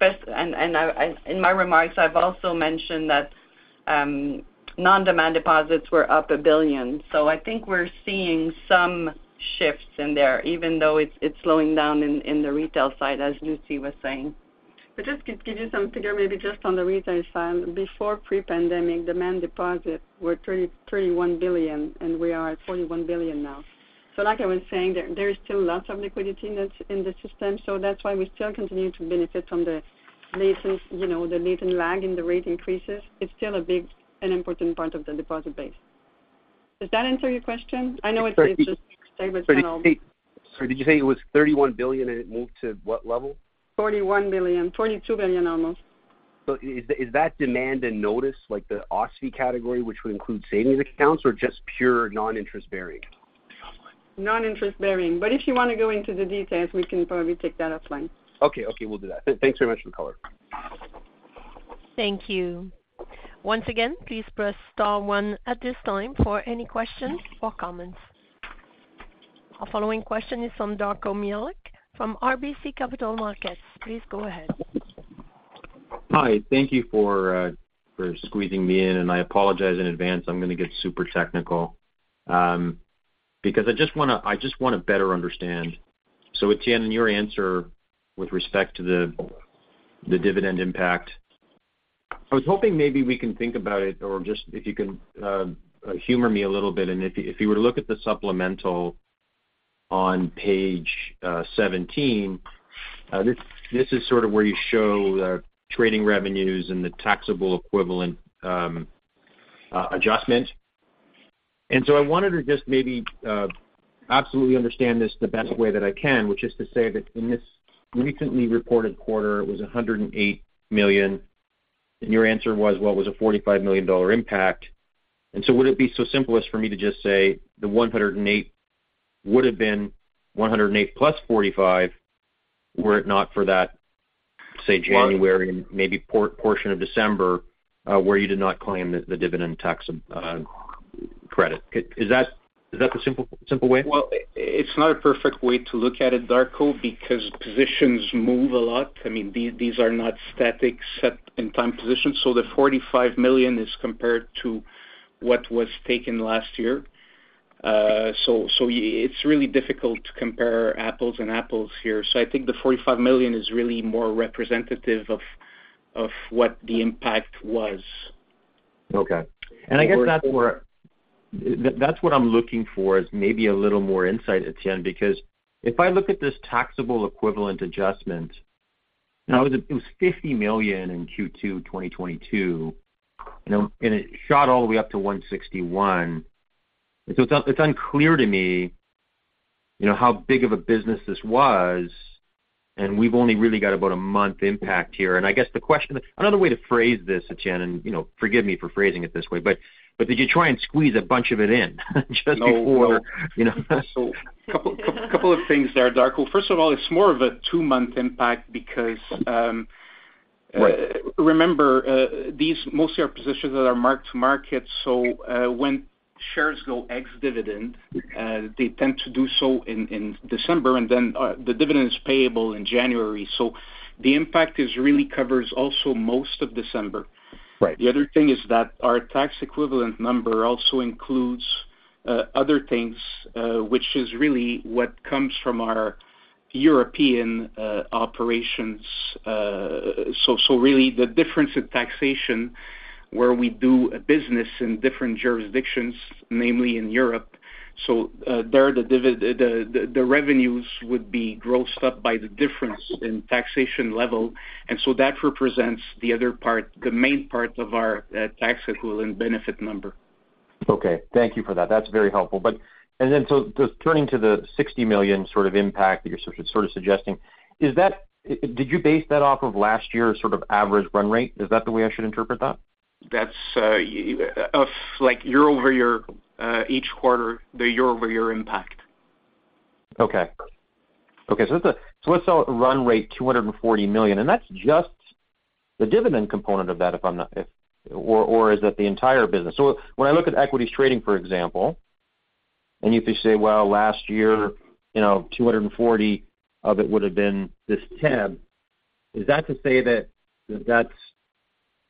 my remarks, I've also mentioned that non-demand deposits were up 1 billion. I think we're seeing some shifts in there, even though it's slowing down in the retail side, as Lucie was saying. But just to give you some figure, maybe just on the retail side, before pre-pandemic, demand deposits were 31 billion, and we are at 41 billion now. So like I was saying, there is still lots of liquidity in the system. So that's why we still continue to benefit from the latent lag in the rate increases. It's still an important part of the deposit base. Does that answer your question? I know it's just a statement, but it's not all. Sorry. Did you say it was 31 billion, and it moved to what level? 41 billion. 42 billion almost. Is that demand and notice, like the OSFI category, which would include savings accounts, or just pure non-interest-bearing? Non-interest-bearing. If you want to go into the details, we can probably take that offline. Okay. Okay. We'll do that. Thanks very much for the caller. Thank you. Once again, please press star one at this time for any questions or comments. A following question is from Darko Mihelic from RBC Capital Markets. Please go ahead. Hi. Thank you for squeezing me in. I apologize in advance. I'm going to get super technical because I just want to better understand. Étienne, in your answer with respect to the dividend impact, I was hoping maybe we can think about it or just if you can humor me a little bit. If you were to look at the supplemental on page 17, this is sort of where you show the trading revenues and the taxable equivalent adjustment. I wanted to just maybe absolutely understand this the best way that I can, which is to say that in this recently reported quarter, it was 108 million. Your answer was, "Well, it was a 45 million dollar impact." And so would it be so simplest for me to just say the 108 would have been 108 plus 45 were it not for that, say, January and maybe portion of December where you did not claim the dividend tax credit? Is that the simple way? Well, it's not a perfect way to look at it, Darko, because positions move a lot. I mean, these are not static set-in-time positions. So the 45 million is compared to what was taken last year. So it's really difficult to compare apples and apples here. So I think the 45 million is really more representative of what the impact was. Okay. And I guess that's what I'm looking for is maybe a little more insight, Étienne, because if I look at this taxable equivalent adjustment, it was 50 million in Q2 2022, and it shot all the way up to 161 million. And so it's unclear to me how big of a business this was. And we've only really got about a month impact here. And I guess the question another way to phrase this, Étienne, and forgive me for phrasing it this way, but did you try and squeeze a bunch of it in just before? So a couple of things there, Darko. First of all, it's more of a two-month impact because remember, these mostly are positions that are marked to market. So when shares go ex-dividend, they tend to do so in December, and then the dividend is payable in January. So the impact really covers also most of December. The other thing is that our tax equivalent number also includes other things, which is really what comes from our European operations. So really, the difference in taxation where we do business in different jurisdictions, namely in Europe, so there the revenues would be grossed up by the difference in taxation level. And so that represents the other part, the main part of our tax equivalent benefit number. Okay. Thank you for that. That's very helpful. And then so turning to the 60 million sort of impact that you're sort of suggesting, did you base that off of last year's sort of average run rate? Is that the way I should interpret that? That's year-over-year, each quarter, the year-over-year impact. Okay. Okay. So let's say run rate 240 million. And that's just the dividend component of that, if I'm not or is that the entire business? So when I look at equities trading, for example, and you could say, "Well, last year, 240 million of it would have been this TEB," is that to say that that's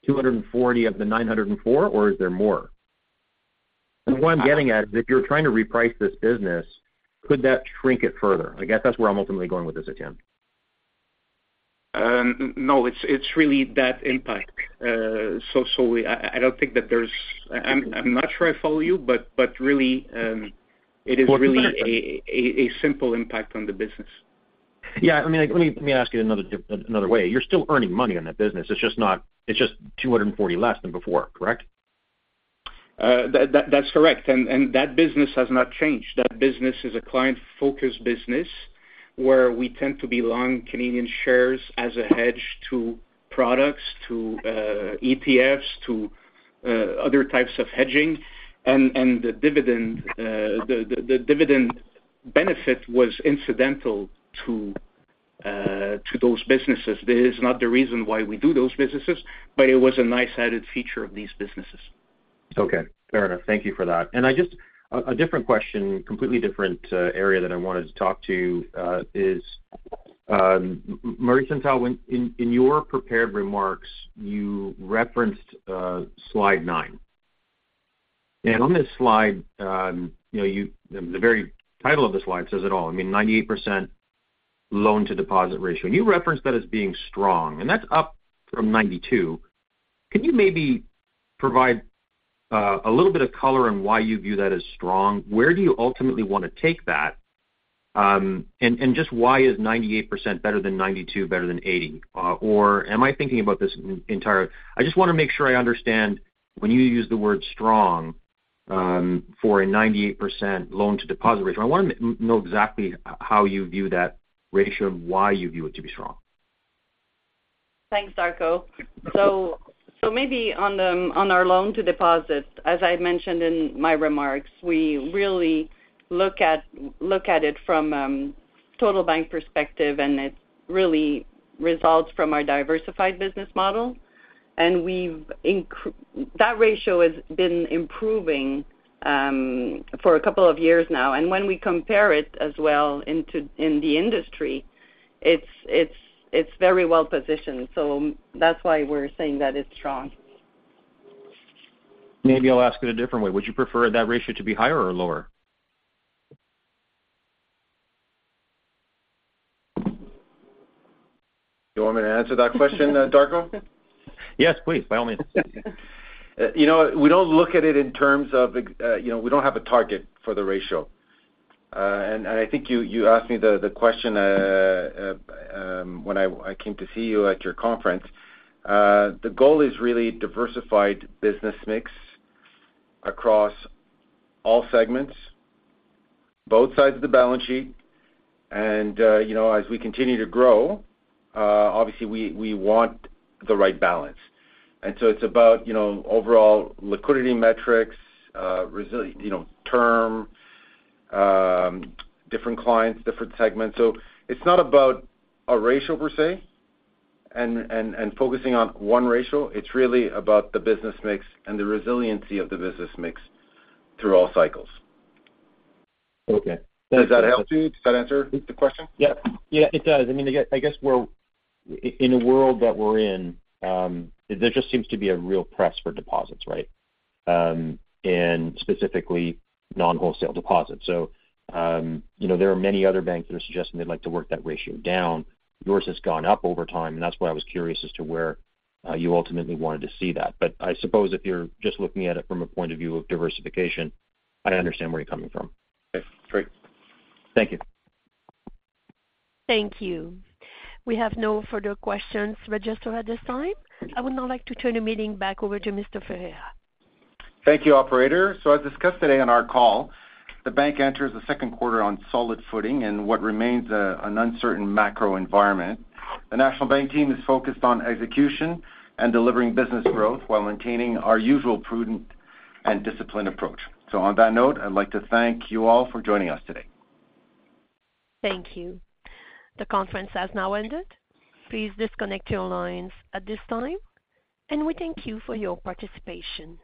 240 million of the 904, or is there more? And what I'm getting at is if you're trying to reprice this business, could that shrink it further? I guess that's where I'm ultimately going with this, Étienne. No. It's really that impact. So I don't think that there's. I'm not sure I follow you, but really, it is really a simple impact on the business. Yeah. I mean, let me ask it another way. You're still earning money on that business. It's just 240 less than before, correct? That's correct. And that business has not changed. That business is a client-focused business where we tend to be long Canadian shares as a hedge to products, to ETFs, to other types of hedging. And the dividend benefit was incidental to those businesses. It is not the reason why we do those businesses, but it was a nice-added feature of these businesses. Okay. Fair enough. Thank you for that. And a different question, completely different area that I wanted to talk to is, Marie Chantal, in your prepared remarks, you referenced slide 9. And on this slide, the very title of the slide says it all. I mean, 98% loan-to-deposit ratio. And you referenced that as being strong, and that's up from 92. Can you maybe provide a little bit of color on why you view that as strong? Where do you ultimately want to take that? And just why is 98% better than 92, better than 80? Or am I thinking about this entire I just want to make sure I understand when you use the word strong for a 98% loan-to-deposit ratio. I want to know exactly how you view that ratio and why you view it to be strong. Thanks, Darko. So maybe on our loan-to-deposit, as I mentioned in my remarks, we really look at it from total bank perspective, and it really results from our diversified business model. That ratio has been improving for a couple of years now. When we compare it as well in the industry, it's very well positioned. So that's why we're saying that it's strong. Maybe I'll ask it a different way. Would you prefer that ratio to be higher or lower? Do you want me to answer that question, Darko? Yes, please, by all means. We don't look at it in terms of. We don't have a target for the ratio. I think you asked me the question when I came to see you at your conference. The goal is really diversified business mix across all segments, both sides of the balance sheet. As we continue to grow, obviously, we want the right balance. It's about overall liquidity metrics, term, different clients, different segments. It's not about a ratio per se and focusing on one ratio. It's really about the business mix and the resiliency of the business mix through all cycles. Okay. Does that help you? Does that answer the question? Yeah. Yeah. It does. I mean, I guess in the world that we're in, there just seems to be a real pressure for deposits, right, and specifically non-wholesale deposits. So there are many other banks that are suggesting they'd like to work that ratio down. Yours has gone up over time, and that's why I was curious as to where you ultimately wanted to see that. But I suppose if you're just looking at it from a point of view of diversification, I understand where you're coming from. Okay. Great. Thank you. Thank you. We have no further questions, Register, at this time. I would now like to turn the meeting back over to Mr. Ferreira. Thank you, operator. So as discussed today on our call, the bank enters the second quarter on solid footing in what remains an uncertain macro environment. The National Bank team is focused on execution and delivering business growth while maintaining our usual prudent and disciplined approach. So on that note, I'd like to thank you all for joining us today. Thank you. The conference has now ended. Please disconnect your lines at this time. We thank you for your participation.